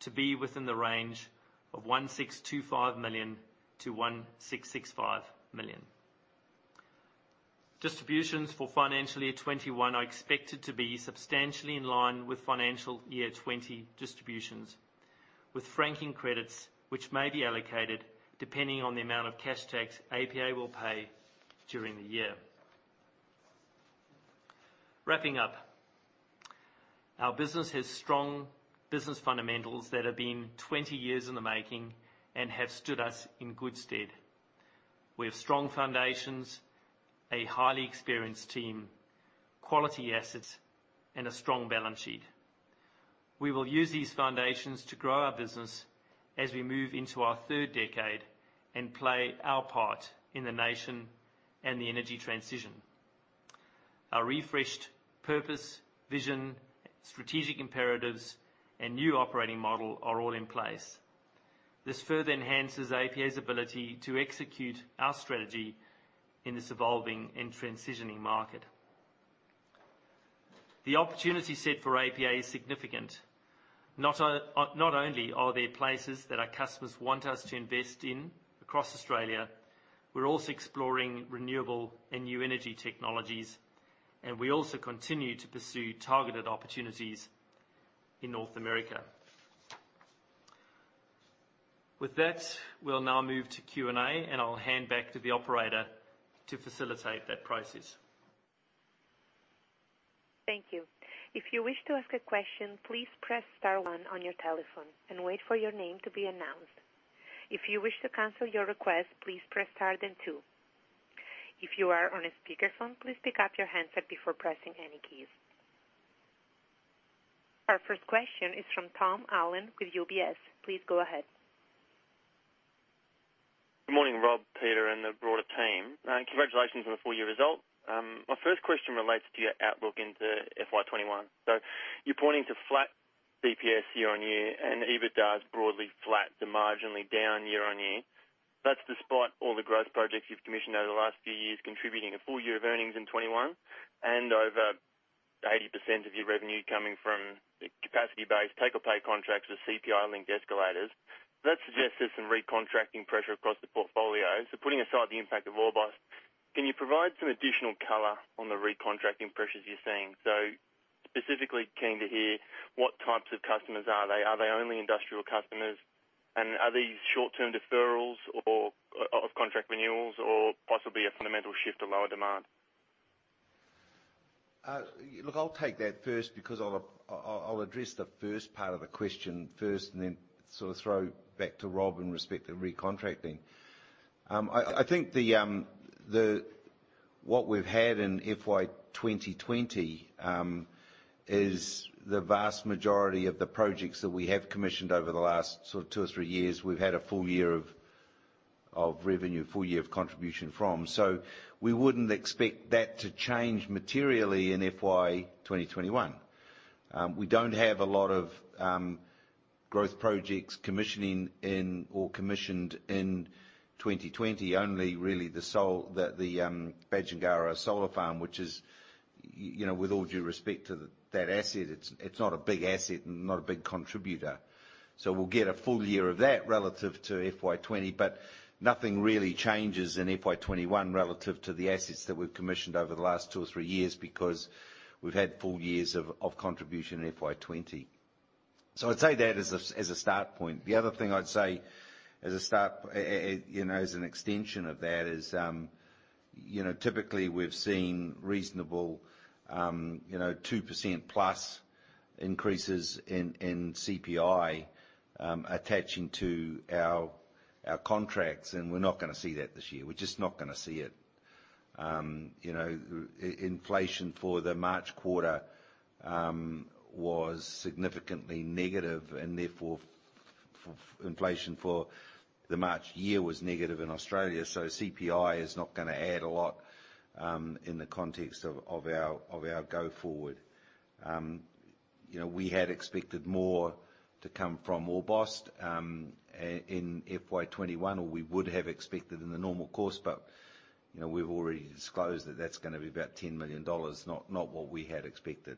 to be within the range of 1,625 million-1,665 million. Distributions for FY 2021 are expected to be substantially in line with FY 2020 distributions, with franking credits which may be allocated depending on the amount of cash tax APA will pay during the year. Wrapping up, our business has strong business fundamentals that have been 20 years in the making and have stood us in good stead. We have strong foundations, a highly experienced team, quality assets, and a strong balance sheet. We will use these foundations to grow our business as we move into our third decade and play our part in the nation and the energy transition. Our refreshed purpose, vision, strategic imperatives, and new operating model are all in place. This further enhances APA's ability to execute our strategy in this evolving and transitioning market. The opportunity set for APA is significant. Not only are there places that our customers want us to invest in across Australia, we're also exploring renewable and new energy technologies, and we also continue to pursue targeted opportunities in North America. With that, we'll now move to Q&A, and I'll hand back to the operator to facilitate that process. Thank you. If you wish to ask a question, please press star one on your telephone and wait for your name to be announced. If you wish to cancel your request, please press star two. If you are on a speakerphone, please pick up your handset before pressing any keys. Our first question is from Tom Allen with UBS. Please go ahead. Good morning, Rob Wheals, Peter Fredricson, and the broader team. Congratulations on the full year results. My first question relates to your outlook into FY 2021. You're pointing to flat DPS year-over-year and EBITDA is broadly flat to marginally down year-over-year. That's despite all the growth projects you've commissioned over the last few years contributing a full year of earnings in 2021 and over 80% of your revenue coming from the capacity base, take or pay contracts with CPI-linked escalators. That suggests there's some recontracting pressure across the portfolio. Putting aside the impact of Orbost, can you provide some additional color on the recontracting pressures you're seeing? Specifically, keen to hear what types of customers are they? Are they only industrial customers? Are these short-term deferrals or of contract renewals, or possibly a fundamental shift to lower demand? Look, I'll take that first because I'll address the first part of the question first, and then sort of throw back to Rob in respect to recontracting. I think what we've had in FY 2020, is the vast majority of the projects that we have commissioned over the last sort of two or three years, we've had a full year of revenue, full year of contribution from. We wouldn't expect that to change materially in FY 2021. We don't have a lot of growth projects commissioning in or commissioned in 2020. Only really the Badgingarra Solar Farm, which is, with all due respect to that asset, it's not a big asset and not a big contributor. We'll get a full year of that relative to FY 2020, but nothing really changes in FY 2021 relative to the assets that we've commissioned over the last two or three years because we've had full years of contribution in FY 2020. I'd say that as a start point. The other thing I'd say as an extension of that is, typically we've seen reasonable 2%+ increases in CPI attaching to our contracts, and we're not going to see that this year. We're just not going to see it. Inflation for the March quarter was significantly negative, and therefore inflation for the March year was negative in Australia. CPI is not going to add a lot in the context of our go forward. We had expected more to come from Orbost in FY 2021, or we would have expected in the normal course, but we've already disclosed that that's going to be about 10 million dollars, not what we had expected.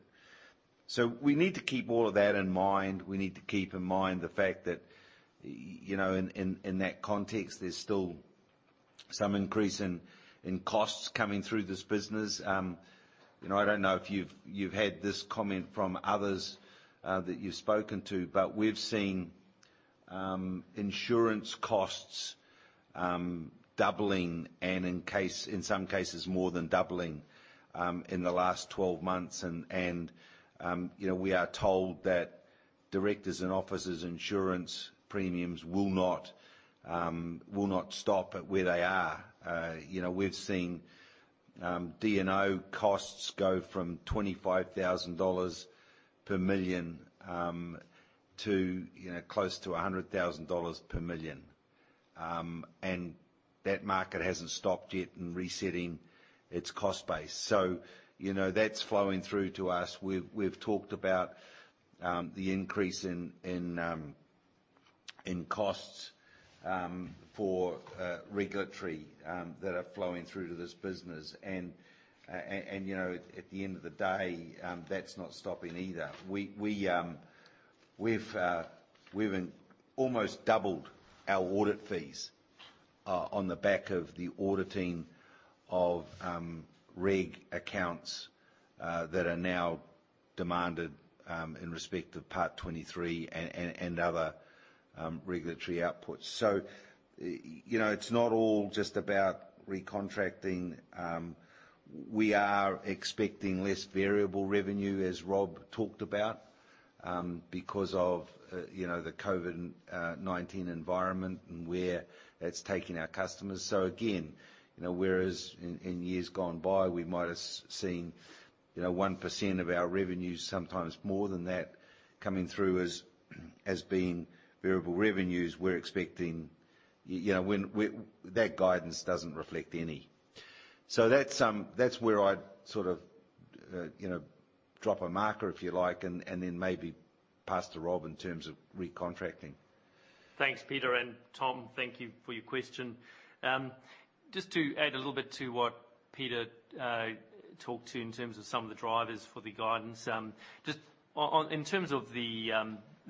We need to keep all of that in mind. We need to keep in mind the fact that, in that context, there's still some increase in costs coming through this business. I don't know if you've had this comment from others that you've spoken to, but we've seen insurance costs doubling, and in some cases more than doubling, in the last 12 months. We are told that directors and officers insurance premiums will not stop at where they are. We've seen D&O costs go from 25,000 dollars per million to close to 100,000 dollars per million. That market hasn't stopped yet in resetting its cost base. That's flowing through to us. We've talked about the increase in costs for regulatory that are flowing through to this business. At the end of the day, that's not stopping either. We've almost doubled our audit fees on the back of the auditing of reg accounts that are now demanded in respect of Part 23 and other regulatory outputs. It's not all just about recontracting. We are expecting less variable revenue, as Rob talked about, because of the COVID-19 environment and where it's taking our customers. Again, whereas in years gone by, we might have seen 1% of our revenue, sometimes more than that, coming through as being variable revenues, that guidance doesn't reflect any. That's where I'd sort of drop a marker, if you like, and then maybe pass to Rob in terms of recontracting. Thanks, Peter, and Tom, thank you for your question. Just to add a little bit to what Peter talked to in terms of some of the drivers for the guidance. Just in terms of the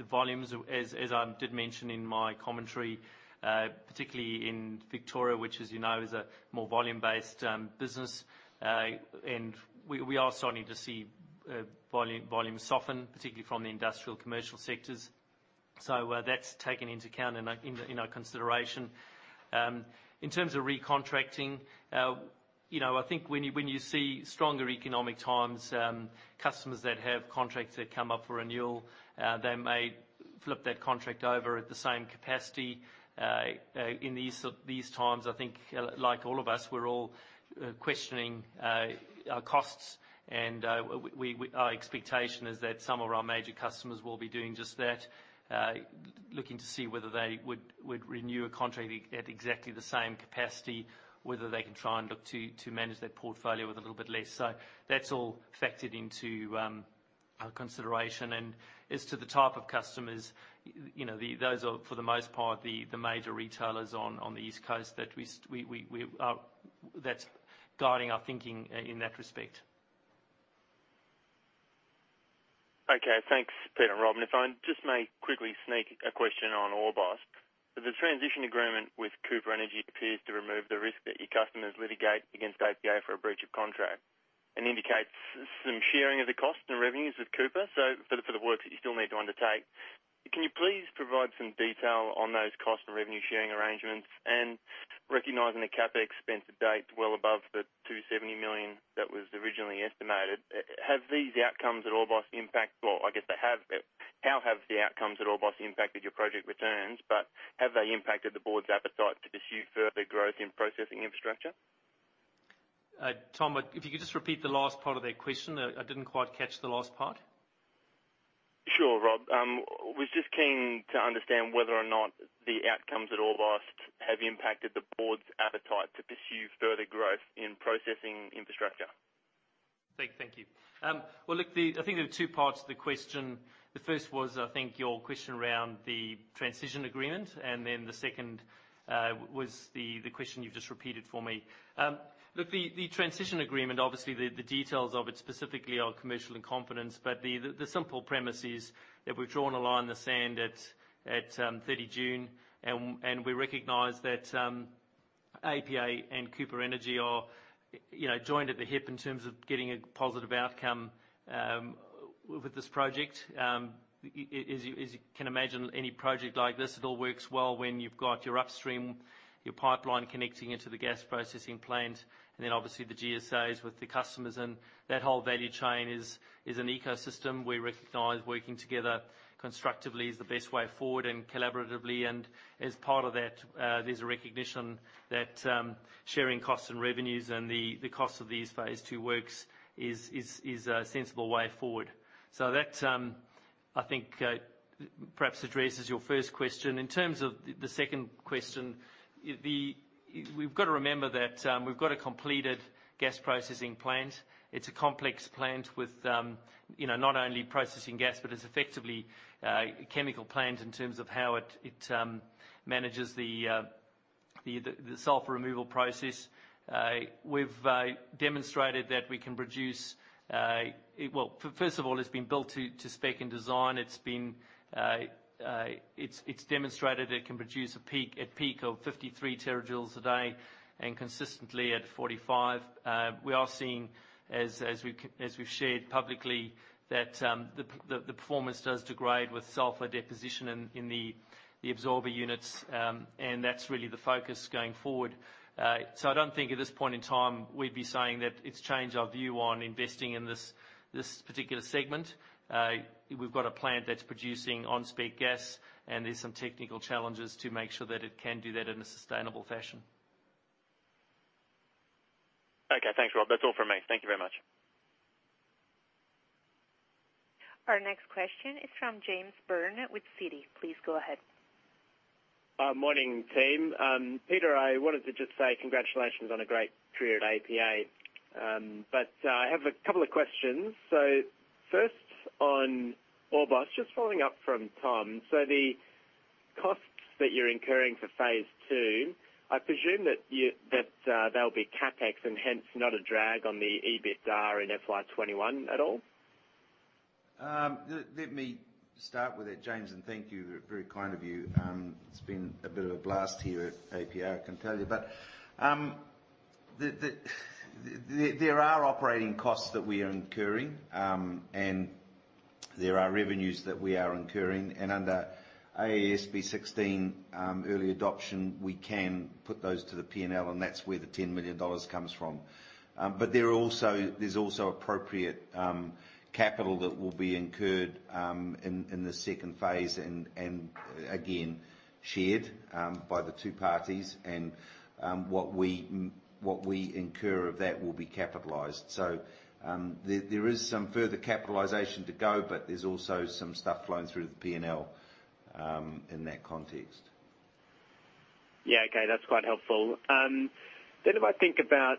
volumes, as I did mention in my commentary, particularly in Victoria, which as you know, is a more volume-based business. We are starting to see volume soften, particularly from the industrial commercial sectors. That's taken into account and in our consideration. In terms of recontracting, I think when you see stronger economic times, customers that have contracts that come up for renewal, they may flip that contract over at the same capacity. In these times, I think like all of us, we're all questioning our costs and our expectation is that some of our major customers will be doing just that. Looking to see whether they would renew a contract at exactly the same capacity, whether they can try and look to manage that portfolio with a little bit less. That's all factored into consideration. As to the type of customers, those are, for the most part, the major retailers on the East Coast that's guiding our thinking in that respect. Okay. Thanks, Peter and Rob. If I just may quickly sneak a question on Orbost. The transition agreement with Cooper Energy appears to remove the risk that your customers litigate against APA for a breach of contract and indicates some sharing of the cost and revenues with Cooper, so for the work that you still need to undertake. Can you please provide some detail on those cost and revenue sharing arrangements, and recognizing the CapEx spend to date well above the 270 million that was originally estimated. Well, I guess they have. How have the outcomes at Orbost impacted your project returns, but have they impacted the board's appetite to pursue further growth in processing infrastructure? Tom, if you could just repeat the last part of that question, I didn't quite catch the last part. Sure, Rob. I was just keen to understand whether or not the outcomes at Orbost have impacted the board's appetite to pursue further growth in processing infrastructure? Thank you. Well, look, I think there are two parts to the question. The first was, I think, your question around the transition agreement, and then the second was the question you've just repeated for me. Look, the transition agreement, obviously, the details of it specifically are commercial in confidence, but the simple premise is that we've drawn a line in the sand at 30 June, and we recognize that APA and Cooper Energy are joined at the hip in terms of getting a positive outcome with this project. As you can imagine, any project like this, it all works well when you've got your upstream, your pipeline connecting into the gas processing plant, and then obviously the GSAs with the customers, and that whole value chain is an ecosystem. We recognize working together constructively is the best way forward, and collaboratively. As part of that, there's a recognition that sharing costs and revenues and the cost of these phase II works is a sensible way forward. That, I think, perhaps addresses your first question. In terms of the second question, we've got to remember that we've got a completed gas processing plant. It's a complex plant with not only processing gas, but it's effectively a chemical plant in terms of how it manages the sulfur removal process. We've demonstrated that we can produce Well, first of all, it's been built to spec and design. It's demonstrated it can produce at peak of 53 TJ a day, and consistently at 45. We are seeing, as we've shared publicly, that the performance does degrade with sulfur deposition in the absorber units, and that's really the focus going forward. I don't think at this point in time we'd be saying that it's changed our view on investing in this particular segment. We've got a plant that's producing on-spec gas, and there's some technical challenges to make sure that it can do that in a sustainable fashion. Okay. Thanks, Rob. That's all from me. Thank you very much. Our next question is from James Byrne with Citi. Please go ahead. Morning, team. Peter, I wanted to just say congratulations on a great career at APA. I have a couple of questions. First on Orbost, just following up from Tom. The costs that you're incurring for phase II, I presume that they'll be CapEx and hence not a drag on the EBITDA in FY 2021 at all? Let me start with it, James, and thank you. Very kind of you. It's been a bit of a blast here at APA, I can tell you. There are operating costs that we are incurring, and there are revenues that we are incurring. Under AASB 16 early adoption, we can put those to the P&L, and that's where the 10 million dollars comes from. There's also appropriate capital that will be incurred in the second phase and again, shared by the two parties, and what we incur of that will be capitalized. There is some further capitalization to go, but there's also some stuff flowing through to the P&L in that context. Yeah, okay. That's quite helpful. If I think about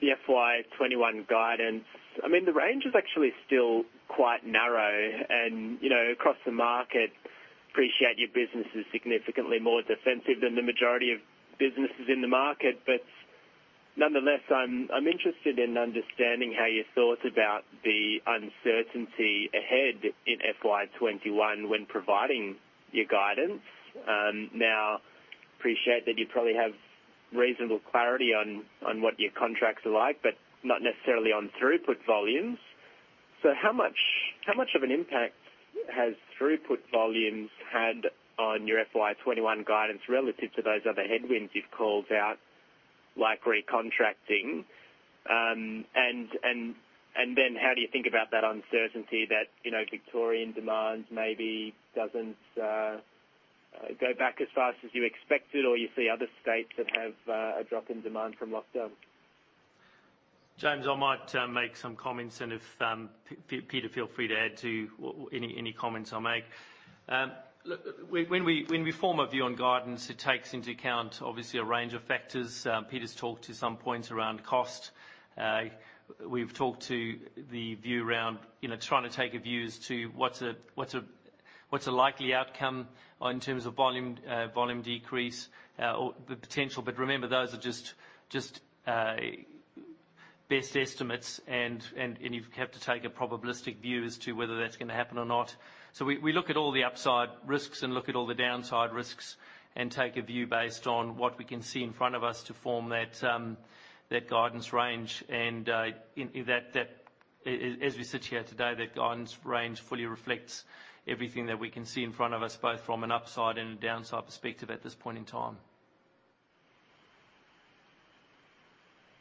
the FY 2021 guidance, the range is actually still quite narrow and across the market, appreciate your business is significantly more defensive than the majority of businesses in the market. Nonetheless, I'm interested in understanding how you thought about the uncertainty ahead in FY 2021 when providing your guidance. Appreciate that you probably have reasonable clarity on what your contracts are like, but not necessarily on throughput volumes. How much of an impact has throughput volumes had on your FY 2021 guidance relative to those other headwinds you've called out, like recontracting? How do you think about that uncertainty that Victorian demand maybe doesn't go back as fast as you expected or you see other states that have a drop in demand from lockdown? James, I might make some comments and if, Peter, feel free to add to any comments I make. When we form a view on guidance, it takes into account, obviously, a range of factors. Peter's talked to some points around cost. We've talked to the view around trying to take a view as to what's a likely outcome in terms of volume decrease or the potential. Remember, those are just best estimates, and you have to take a probabilistic view as to whether that's going to happen or not. We look at all the upside risks and look at all the downside risks and take a view based on what we can see in front of us to form that guidance range. As we sit here today, that guidance range fully reflects everything that we can see in front of us, both from an upside and a downside perspective at this point in time.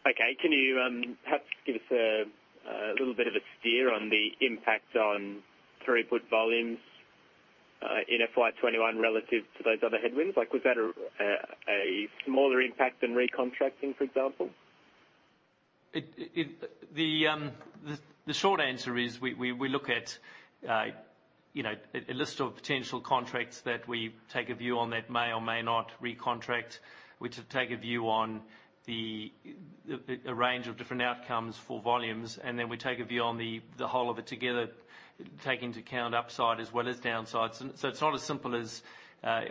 Okay. Can you perhaps give us a little bit of a steer on the impact on throughput volumes in FY 2021 relative to those other headwinds? Was that a smaller impact than recontracting, for example? The short answer is we look at a list of potential contracts that we take a view on that may or may not recontract. We take a view on a range of different outcomes for volumes, and then we take a view on the whole of it together, take into account upside as well as downsides. It's not as simple as,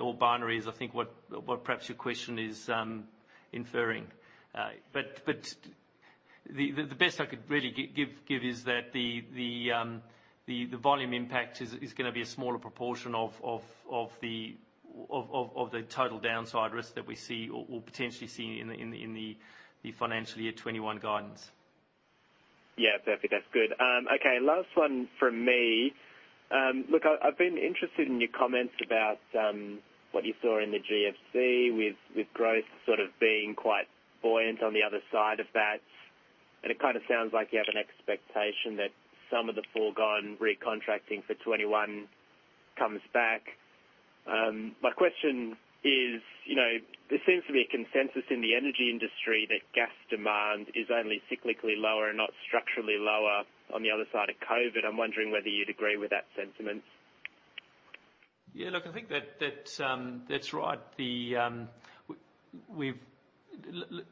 or binary as, I think what perhaps your question is inferring. The best I could really give is that the volume impact is going to be a smaller proportion of the total downside risk that we see or potentially see in the financial year 2021 guidance. Yeah, perfect. That's good. Last one from me. I've been interested in your comments about what you saw in the GFC, with growth sort of being quite buoyant on the other side of that. It kind of sounds like you have an expectation that some of the foregone recontracting for 2021 comes back. My question is, there seems to be a consensus in the energy industry that gas demand is only cyclically lower, not structurally lower on the other side of COVID. I'm wondering whether you'd agree with that sentiment. Yeah, look, I think that's right.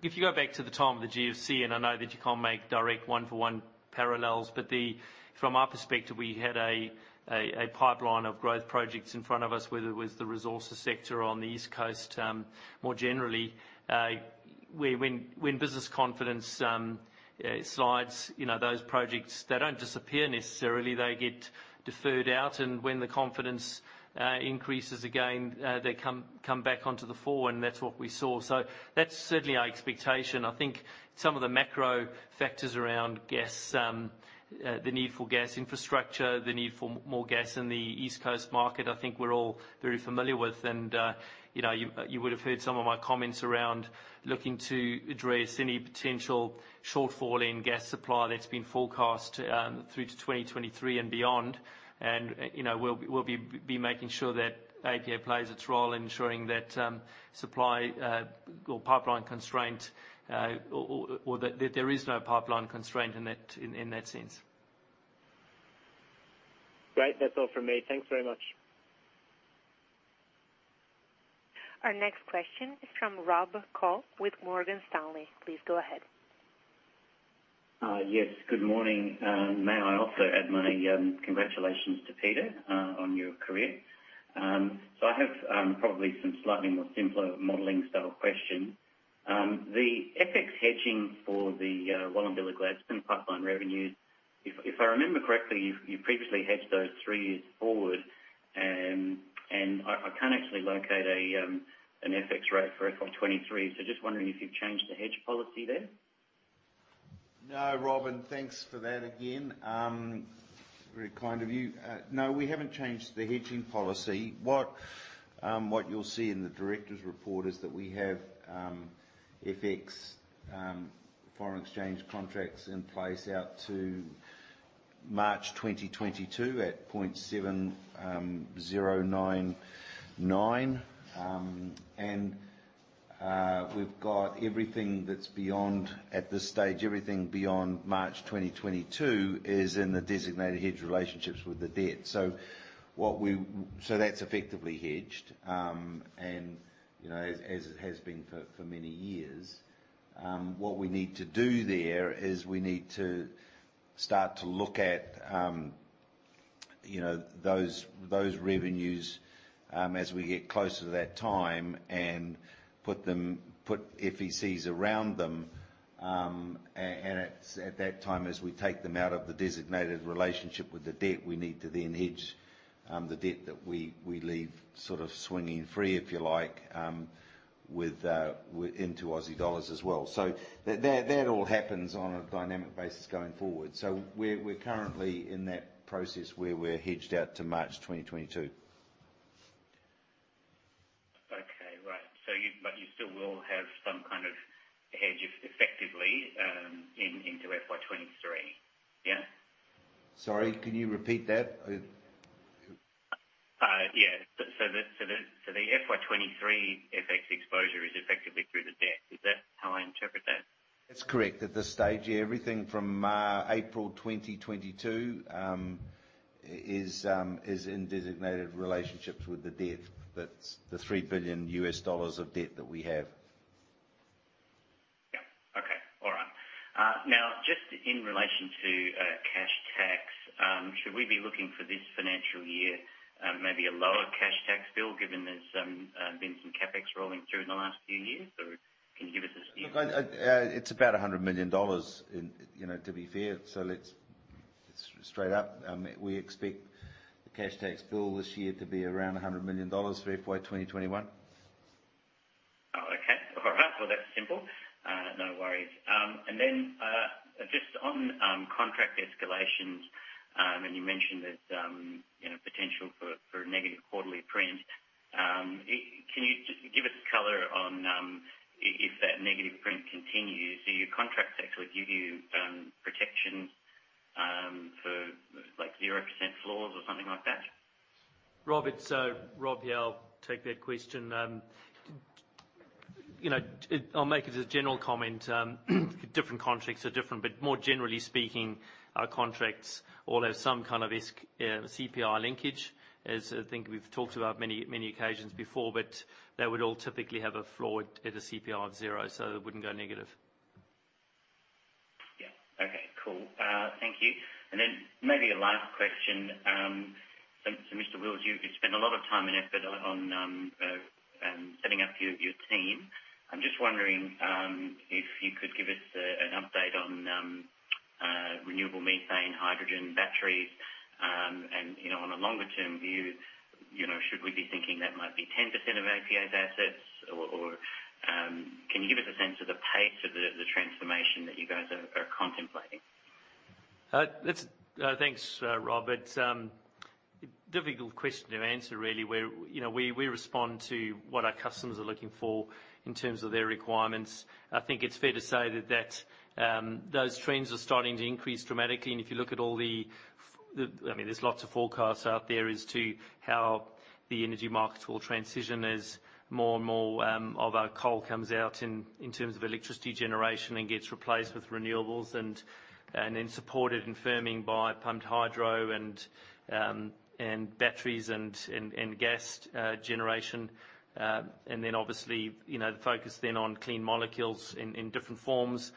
If you go back to the time of the GFC, and I know that you can't make direct one-for-one parallels, but from our perspective, we had a pipeline of growth projects in front of us, whether it was the resources sector on the East Coast more generally. When business confidence slides, those projects, they don't disappear necessarily. They get deferred out. When the confidence increases again, they come back onto the fore, and that's what we saw. That's certainly our expectation. I think some of the macro factors around the need for gas infrastructure, the need for more gas in the East Coast market, I think we're all very familiar with. You would have heard some of my comments around looking to address any potential shortfall in gas supply that's been forecast through to 2023 and beyond. We'll be making sure that APA plays its role in ensuring that supply or pipeline constraint, or that there is no pipeline constraint in that sense. Great. That's all from me. Thanks very much. Our next question is from Rob Koh with Morgan Stanley. Please go ahead. Yes, good morning. May I also add my congratulations to Peter on your career. I have probably some slightly more simpler modeling-style question. The FX hedging for the Wallumbilla Gladstone Pipeline revenues. If I remember correctly, you previously hedged those three years forward, and I can't actually locate an FX rate for FY 2023. Just wondering if you've changed the hedge policy there? No, Rob, thanks for that again. Very kind of you. No, we haven't changed the hedging policy. What you'll see in the directors report is that we have FX foreign exchange contracts in place out to March 2022 at 0.7099. We've got everything that's beyond, at this stage, everything beyond March 2022 is in the designated hedge relationships with the debt. That's effectively hedged, as it has been for many years. What we need to do there is we need to start to look at those revenues as we get closer to that time and put FECs around them. It's at that time, as we take them out of the designated relationship with the debt, we need to then hedge the debt that we leave sort of swinging free, if you like, into AUD as well. That all happens on a dynamic basis going forward. We're currently in that process where we're hedged out to March 2022. Okay. Right. You still will have some kind of hedge effectively into FY 2023. Yeah? Sorry, can you repeat that? Yeah. The FY 2023 FX exposure is effectively through the debt. Is that how I interpret that? That's correct. At this stage, yeah, everything from April 2022 is in designated relationships with the debt. That's the US$3 billion of debt that we have. Yeah. Okay. All right. Just in relation to cash tax, should we be looking for this financial year, maybe a lower cash tax bill, given there's been some CapEx rolling through in the last few years? Or can you give us a steer? Look, it's about 100 million dollars, to be fair. Let's, straight up, we expect the cash tax bill this year to be around 100 million dollars for FY 2021. Oh, okay. All right. Well, that's simple. No worries. Just on contract escalations, and you mentioned there's potential for a negative quarterly print. Can you just give us color on if that negative print continues? Do your contracts actually give you protection for 0% flaws or something like that? Rob, it's Rob here. I'll take that question. I'll make it as a general comment. Different contracts are different, but more generally speaking, our contracts all have some kind of CPI linkage, as I think we've talked about many occasions before. They would all typically have a flaw at a CPI of zero, so it wouldn't go negative. Yeah. Okay. Cool. Thank you. Maybe a last question. Mr. Wheals, you've spent a lot of time and effort on setting up your team. I'm just wondering if you could give us an update on renewable methane, hydrogen, batteries. On a longer-term view, should we be thinking that might be 10% of APA's assets? Can you give us a sense of the pace of the transformation that you guys are contemplating? Thanks, Rob. Difficult question to answer, really. We respond to what our customers are looking for in terms of their requirements. I think it's fair to say that those trends are starting to increase dramatically. If you look at There's lots of forecasts out there as to how the energy markets will transition as more and more of our coal comes out in terms of electricity generation and gets replaced with renewables, and then supported and firming by pumped hydro and batteries and gas generation. Obviously, the focus then on clean molecules in different forms,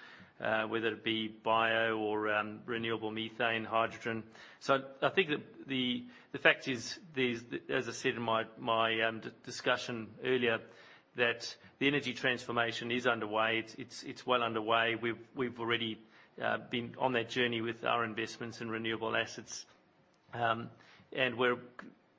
whether it be bio or renewable methane, hydrogen. I think that the fact is, as I said in my discussion earlier, that the energy transformation is underway. It's well underway. We've already been on that journey with our investments in renewable assets. We're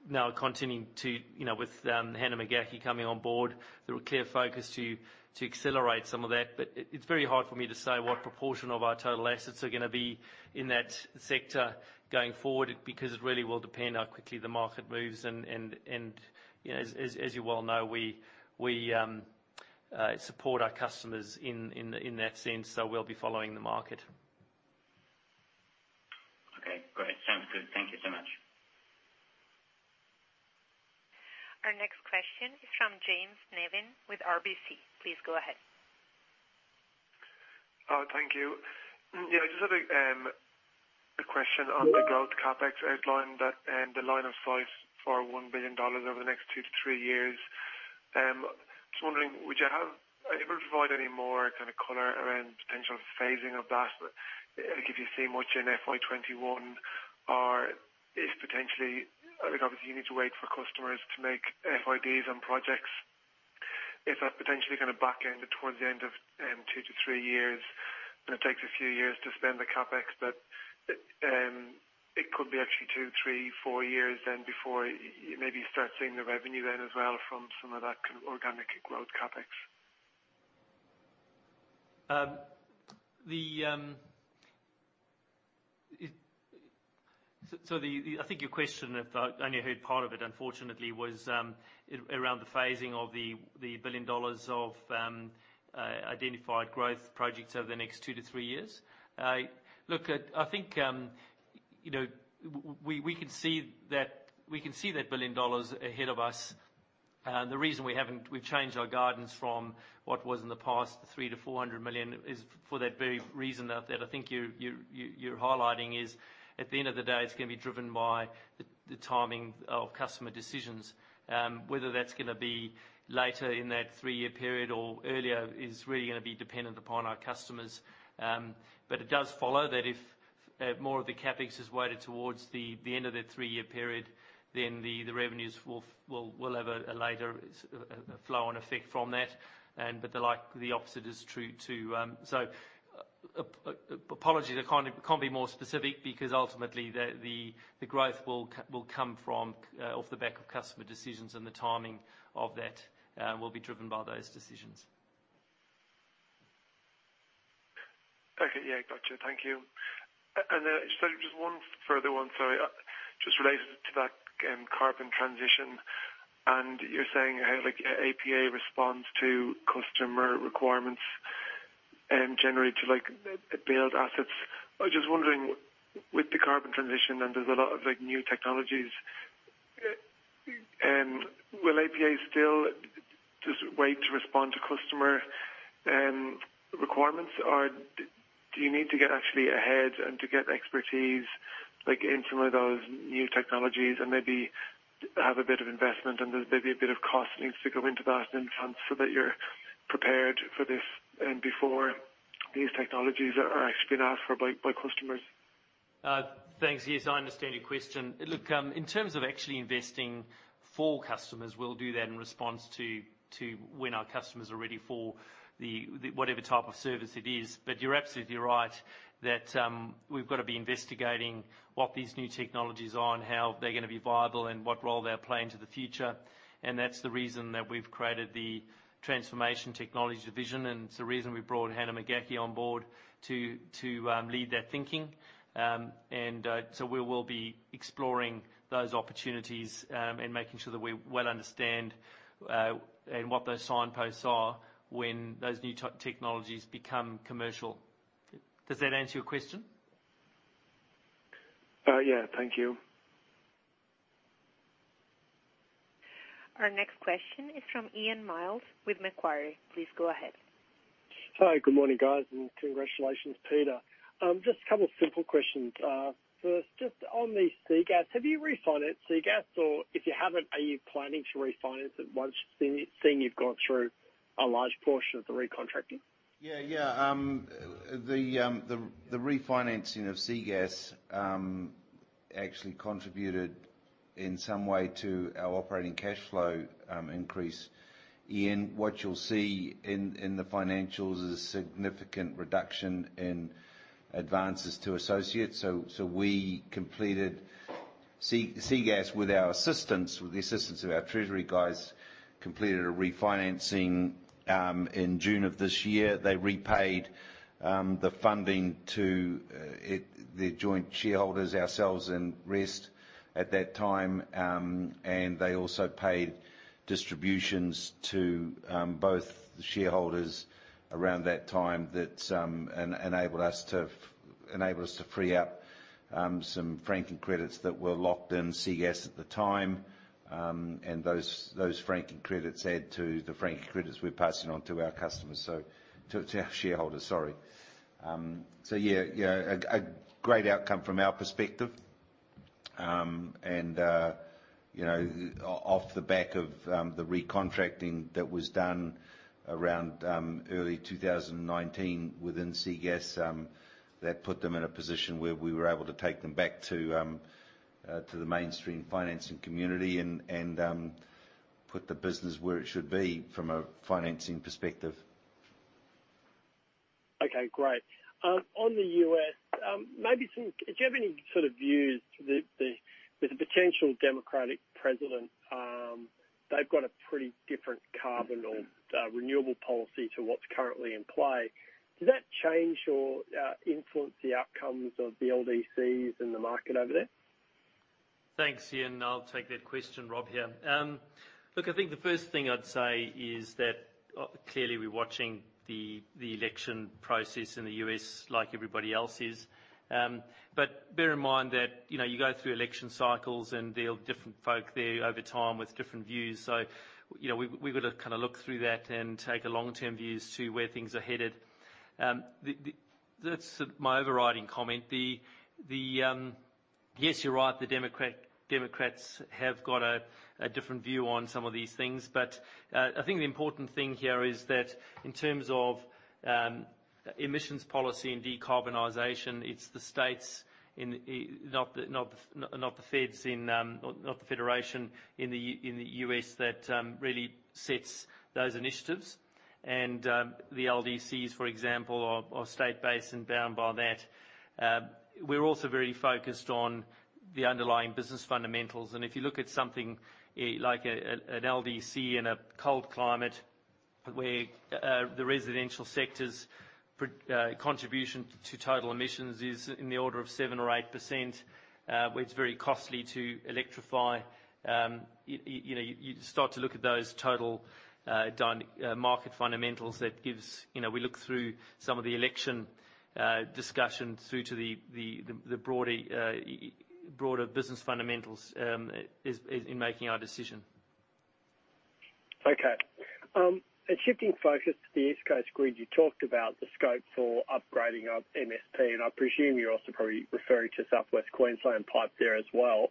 now continuing to, with Hannah McCaughey coming on board, with a clear focus to accelerate some of that. It's very hard for me to say what proportion of our total assets are going to be in that sector going forward, because it really will depend how quickly the market moves. As you well know, we support our customers in that sense, we'll be following the market. Okay, great. Sounds good. Thank you so much. Our next question is from James Nevin with RBC. Please go ahead. Thank you. Just a quick question on the growth CapEx outline that the line of sight for 1 billion dollars over the next two to three years. Just wondering, would you ever provide any more kind of color around potential phasing of that, like if you see much in FY 2021 or if potentially, obviously, you need to wait for customers to make FIDs on projects. If that potentially is going to back end towards the end of two to three years, and it takes a few years to spend the CapEx, but it could be actually two, three, four years then before you maybe start seeing the revenue then as well from some of that organic growth CapEx? I think your question, I only heard part of it unfortunately, was around the phasing of the 1 billion dollars of identified growth projects over the next 2-3 years. I think we can see that 1 billion dollars ahead of us. The reason we've changed our guidance from what was in the past, 300 million-400 million, is for that very reason that I think you're highlighting is, at the end of the day, it's going to be driven by the timing of customer decisions. Whether that's going to be later in that three-year period or earlier is really going to be dependent upon our customers. It does follow that if more of the CapEx is weighted towards the end of the three-year period, then the revenues will have a later flow on effect from that. The opposite is true, too. Apologies, I can't be more specific because ultimately, the growth will come off the back of customer decisions, and the timing of that will be driven by those decisions. Okay. Yeah, got you. Thank you. Then just one further one, sorry. Just related to that carbon transition, you're saying how APA responds to customer requirements and generally to build assets. I was just wondering, with the carbon transition, there's a lot of new technologies. Will APA still just wait to respond to customer requirements or do you need to get actually ahead and to get expertise, like in some of those new technologies and maybe have a bit of investment and there's maybe a bit of cost needs to go into that in advance so that you're prepared for this and before these technologies are actually being asked for by customers? Thanks. Yes, I understand your question. Look, in terms of actually investing for customers, we'll do that in response to when our customers are ready for whatever type of service it is. You're absolutely right that we've got to be investigating what these new technologies are and how they're going to be viable and what role they'll play into the future. That's the reason that we've created the Transformation and Technology division, and it's the reason we brought Hannah McCaughey on board to lead that thinking. We will be exploring those opportunities, and making sure that we well understand what those signposts are when those new technologies become commercial. Does that answer your question? Yeah. Thank you. Our next question is from Ian Myles with Macquarie. Please go ahead. Hi, good morning, guys, and congratulations, Peter. Just a couple of simple questions. First, just on the SEA Gas, have you refinanced SEA Gas or if you haven't, are you planning to refinance it once, seeing you've gone through a large portion of the recontracting? The refinancing of SEA Gas actually contributed in some way to our operating cash flow increase. Ian, what you'll see in the financials is a significant reduction in advances to associates. We completed SEA Gas with our assistance, with the assistance of our treasury guys, completed a refinancing in June of this year. They repaid the funding to their joint shareholders, ourselves and Rest at that time. They also paid distributions to both the shareholders around that time that enabled us to free up some franking credits that were locked in SEA Gas at the time. Those franking credits add to the franking credits we're passing on to our customers. To our shareholders, sorry. A great outcome from our perspective. Off the back of the recontracting that was done around early 2019 within SEA Gas, that put them in a position where we were able to take them back to the mainstream financing community and put the business where it should be from a financing perspective. Okay, great. On the U.S., do you have any sort of views with the potential Democratic president, they've got a pretty different carbon or renewable policy to what's currently in play? Does that change or influence the outcomes of the LDCs and the market over there? Thanks, Ian. I'll take that question. Rob here. Look, I think the first thing I'd say is that clearly we're watching the election process in the U.S. like everybody else is. Bear in mind that you go through election cycles and there are different folk there over time with different views. We've got to kind of look through that and take a long-term views to where things are headed. That's my overriding comment. Yes, you're right, the Democrats have got a different view on some of these things. I think the important thing here is that in terms of emissions policy and decarbonization, it's the states, not the federation in the U.S. that really sets those initiatives. The LDCs, for example, are state-based and bound by that. We're also very focused on the underlying business fundamentals, and if you look at something like an LDC in a cold climate where the residential sector's contribution to total emissions is in the order of 7% or 8%, where it's very costly to electrify. You start to look at those total market fundamentals. We look through some of the election discussions through to the broader business fundamentals in making our decision. Okay. Shifting focus to the East Coast Grid, you talked about the scope for upgrading of MSP, and I presume you're also probably referring to South West Queensland Pipe there as well.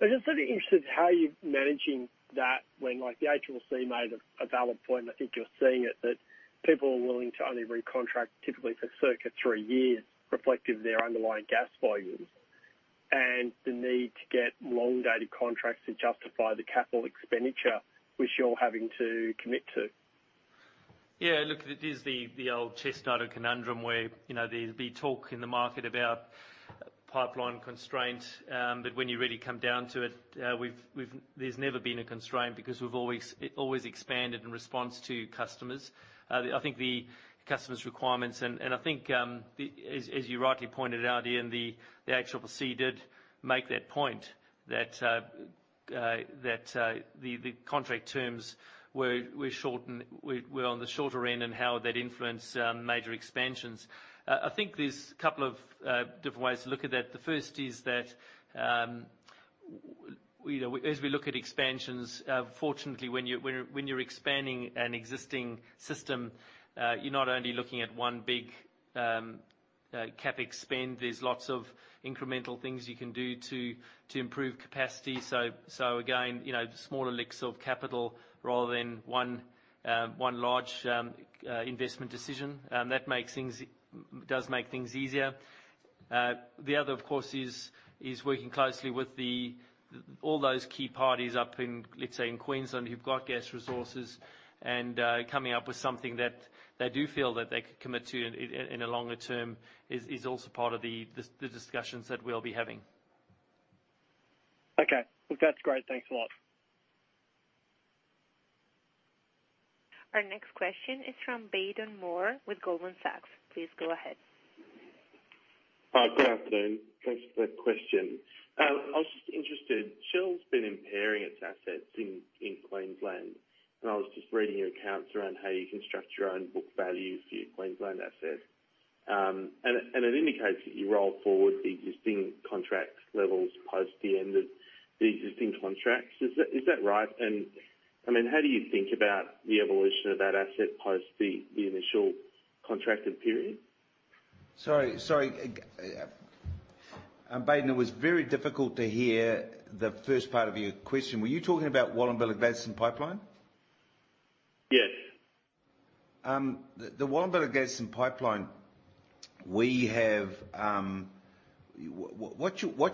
I'm just sort of interested how you're managing that when, like the ACCC made a valid point, and I think you're seeing it, that people are willing to only recontract typically for circa three years reflective of their underlying gas volumes. The need to get long-dated contracts to justify the capital expenditure, which you're having to commit to. Yeah, look, it is the old chestnut or conundrum where there's the talk in the market about pipeline constraint, but when you really come down to it, there's never been a constraint because we've always expanded in response to customers. I think the customers' requirements, as you rightly pointed out, Ian, the ACCC did make that point that the contract terms were on the shorter end and how that influenced major expansions. I think there's a couple of different ways to look at that. The first is, as we look at expansions, fortunately when you're expanding an existing system, you're not only looking at one big CapEx spend. There's lots of incremental things you can do to improve capacity. Again, smaller licks of capital rather than one large investment decision. That does make things easier. The other, of course, is working closely with all those key parties up in, let's say, in Queensland, who've got gas resources and coming up with something that they do feel that they could commit to in the longer term is also part of the discussions that we'll be having. Okay. That's great. Thanks a lot. Our next question is from Baden Moore with Goldman Sachs. Please go ahead. Hi. Good afternoon. Thanks for the question. I was just interested, Shell's been impairing its assets in Queensland, and I was just reading your accounts around how you construct your own book values for your Queensland assets. It indicates that you roll forward the existing contracts levels post the end of the existing contracts. Is that right? How do you think about the evolution of that asset post the initial contracted period? Sorry, Baden, it was very difficult to hear the first part of your question. Were you talking about Wallumbilla Gladstone Pipeline? Yes. The Wallumbilla Gas and Pipeline, what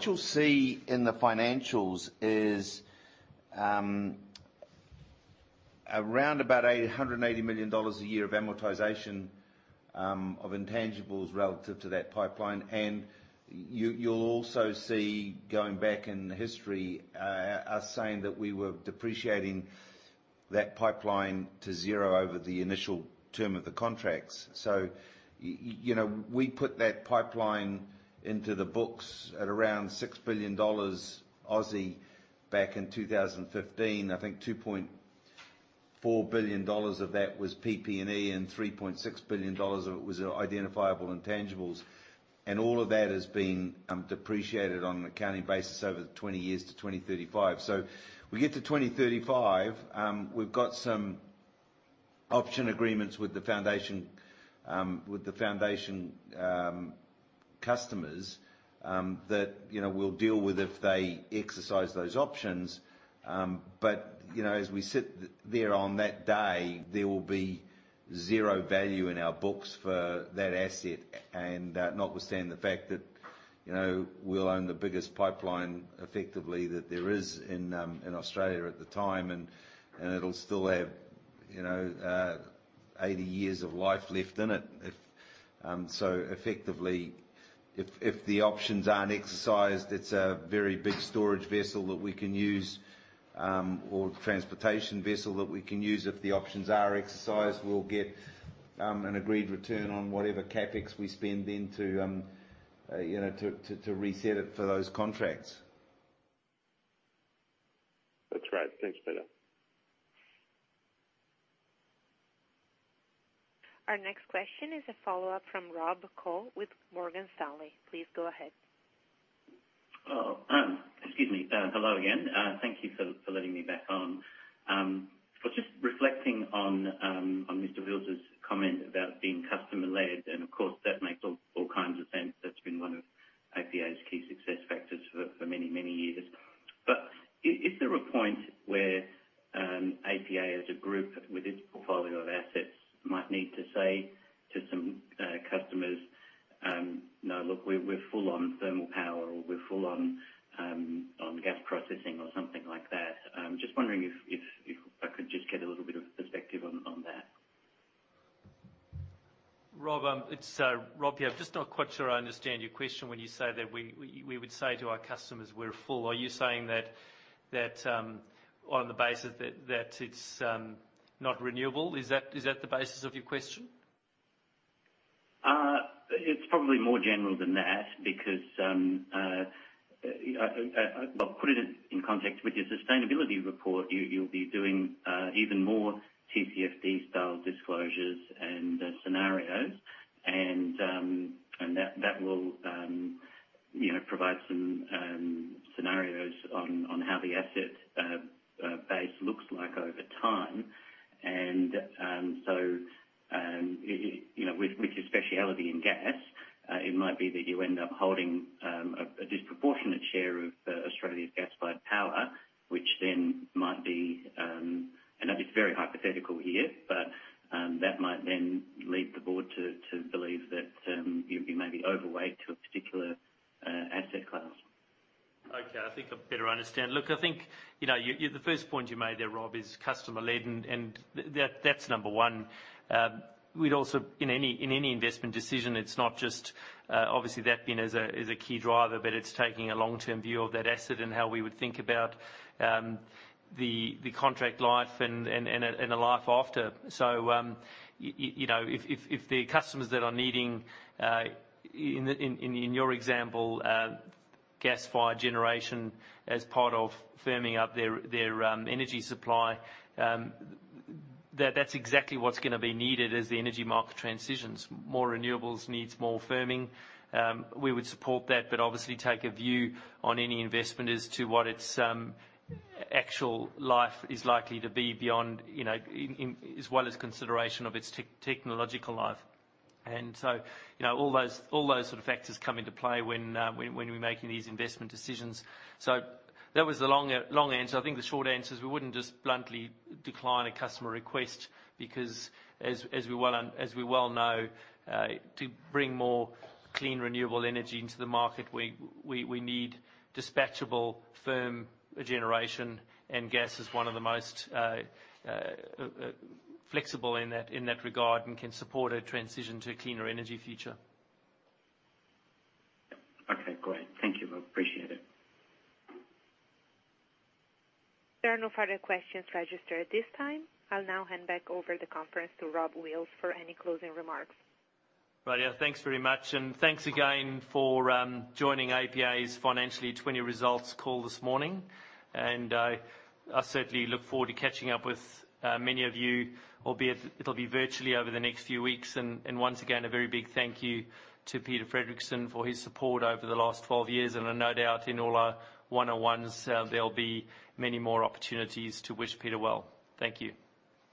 you'll see in the financials is around about 180 million dollars a year of amortization of intangibles relative to that pipeline. You'll also see, going back in the history, us saying that we were depreciating that pipeline to zero over the initial term of the contracts. We put that pipeline into the books at around 6 billion Aussie dollars Aussie back in 2015. I think 2.4 billion dollars of that was PP&E and 3.6 billion dollars of it was identifiable intangibles. All of that has been depreciated on an accounting basis over the 20 years to 2035. We get to 2035, we've got some option agreements with the foundation customers that we'll deal with if they exercise those options. As we sit there on that day, there will be zero value in our books for that asset. Notwithstanding the fact that we'll own the biggest pipeline effectively that there is in Australia at the time, and it'll still have 80 years of life left in it. Effectively, if the options aren't exercised, it's a very big storage vessel that we can use or transportation vessel that we can use. If the options are exercised, we'll get an agreed return on whatever CapEx we spend then to reset it for those contracts. That's right. Thanks, Baden. Our next question is a follow-up from Rob Koh with Morgan Stanley. Please go ahead. Excuse me. Hello again. Thank you for letting me back on. I was just reflecting on Mr. Wheals' comment about being customer-led. Of course, that makes all kinds of sense. That's been one of APA's key success factors for many, many years. Is there a point where APA as a group with its portfolio of assets might need to say to some customers, "No, look, we're full on thermal power," or, "We're full on gas processing," or something like that? I'm just wondering if I could just get a little bit of perspective on that. Rob, I'm just not quite sure I understand your question when you say that we would say to our customers we're full. Are you saying that on the basis that it's not renewable? Is that the basis of your question? It's probably more general than that because I'll put it in context. With your sustainability report, you'll be doing even more TCFD style disclosures and scenarios. That will provide some scenarios on how the asset base looks like over time. With your specialty in gas, it might be that you end up holding a disproportionate share of Australia's gas-fired power, which then might be, I know it's very hypothetical here, but that might then lead the board to believe that you'd be maybe overweight to a particular asset class. Okay. I think I better understand. Look, I think the first point you made there, Rob, is customer-led, and that's number one. In any investment decision, it's not just obviously that being as a key driver, but it's taking a long-term view of that asset and how we would think about the contract life and a life after. If the customers that are needing, in your example, gas fire generation as part of firming up their energy supply, that's exactly what's going to be needed as the energy market transitions. More renewables needs more firming. We would support that, but obviously take a view on any investment as to what its actual life is likely to be beyond as well as consideration of its technological life. All those sort of factors come into play when we're making these investment decisions. That was the long answer. I think the short answer is we wouldn't just bluntly decline a customer request because as we well know, to bring more clean, renewable energy into the market, we need dispatchable firm generation, and gas is one of the most flexible in that regard and can support a transition to a cleaner energy future. Okay, great. Thank you. I appreciate it. There are no further questions registered at this time. I'll now hand back over the conference to Rob Wheals for any closing remarks. Right. Thanks very much. Thanks again for joining APA's Financial Year 2020 Results Call this morning. I certainly look forward to catching up with many of you, albeit it'll be virtually over the next few weeks. Once again, a very big thank you to Peter Fredricson for his support over the last 12 years. No doubt in all our one-on-ones, there'll be many more opportunities to wish Peter well. Thank you.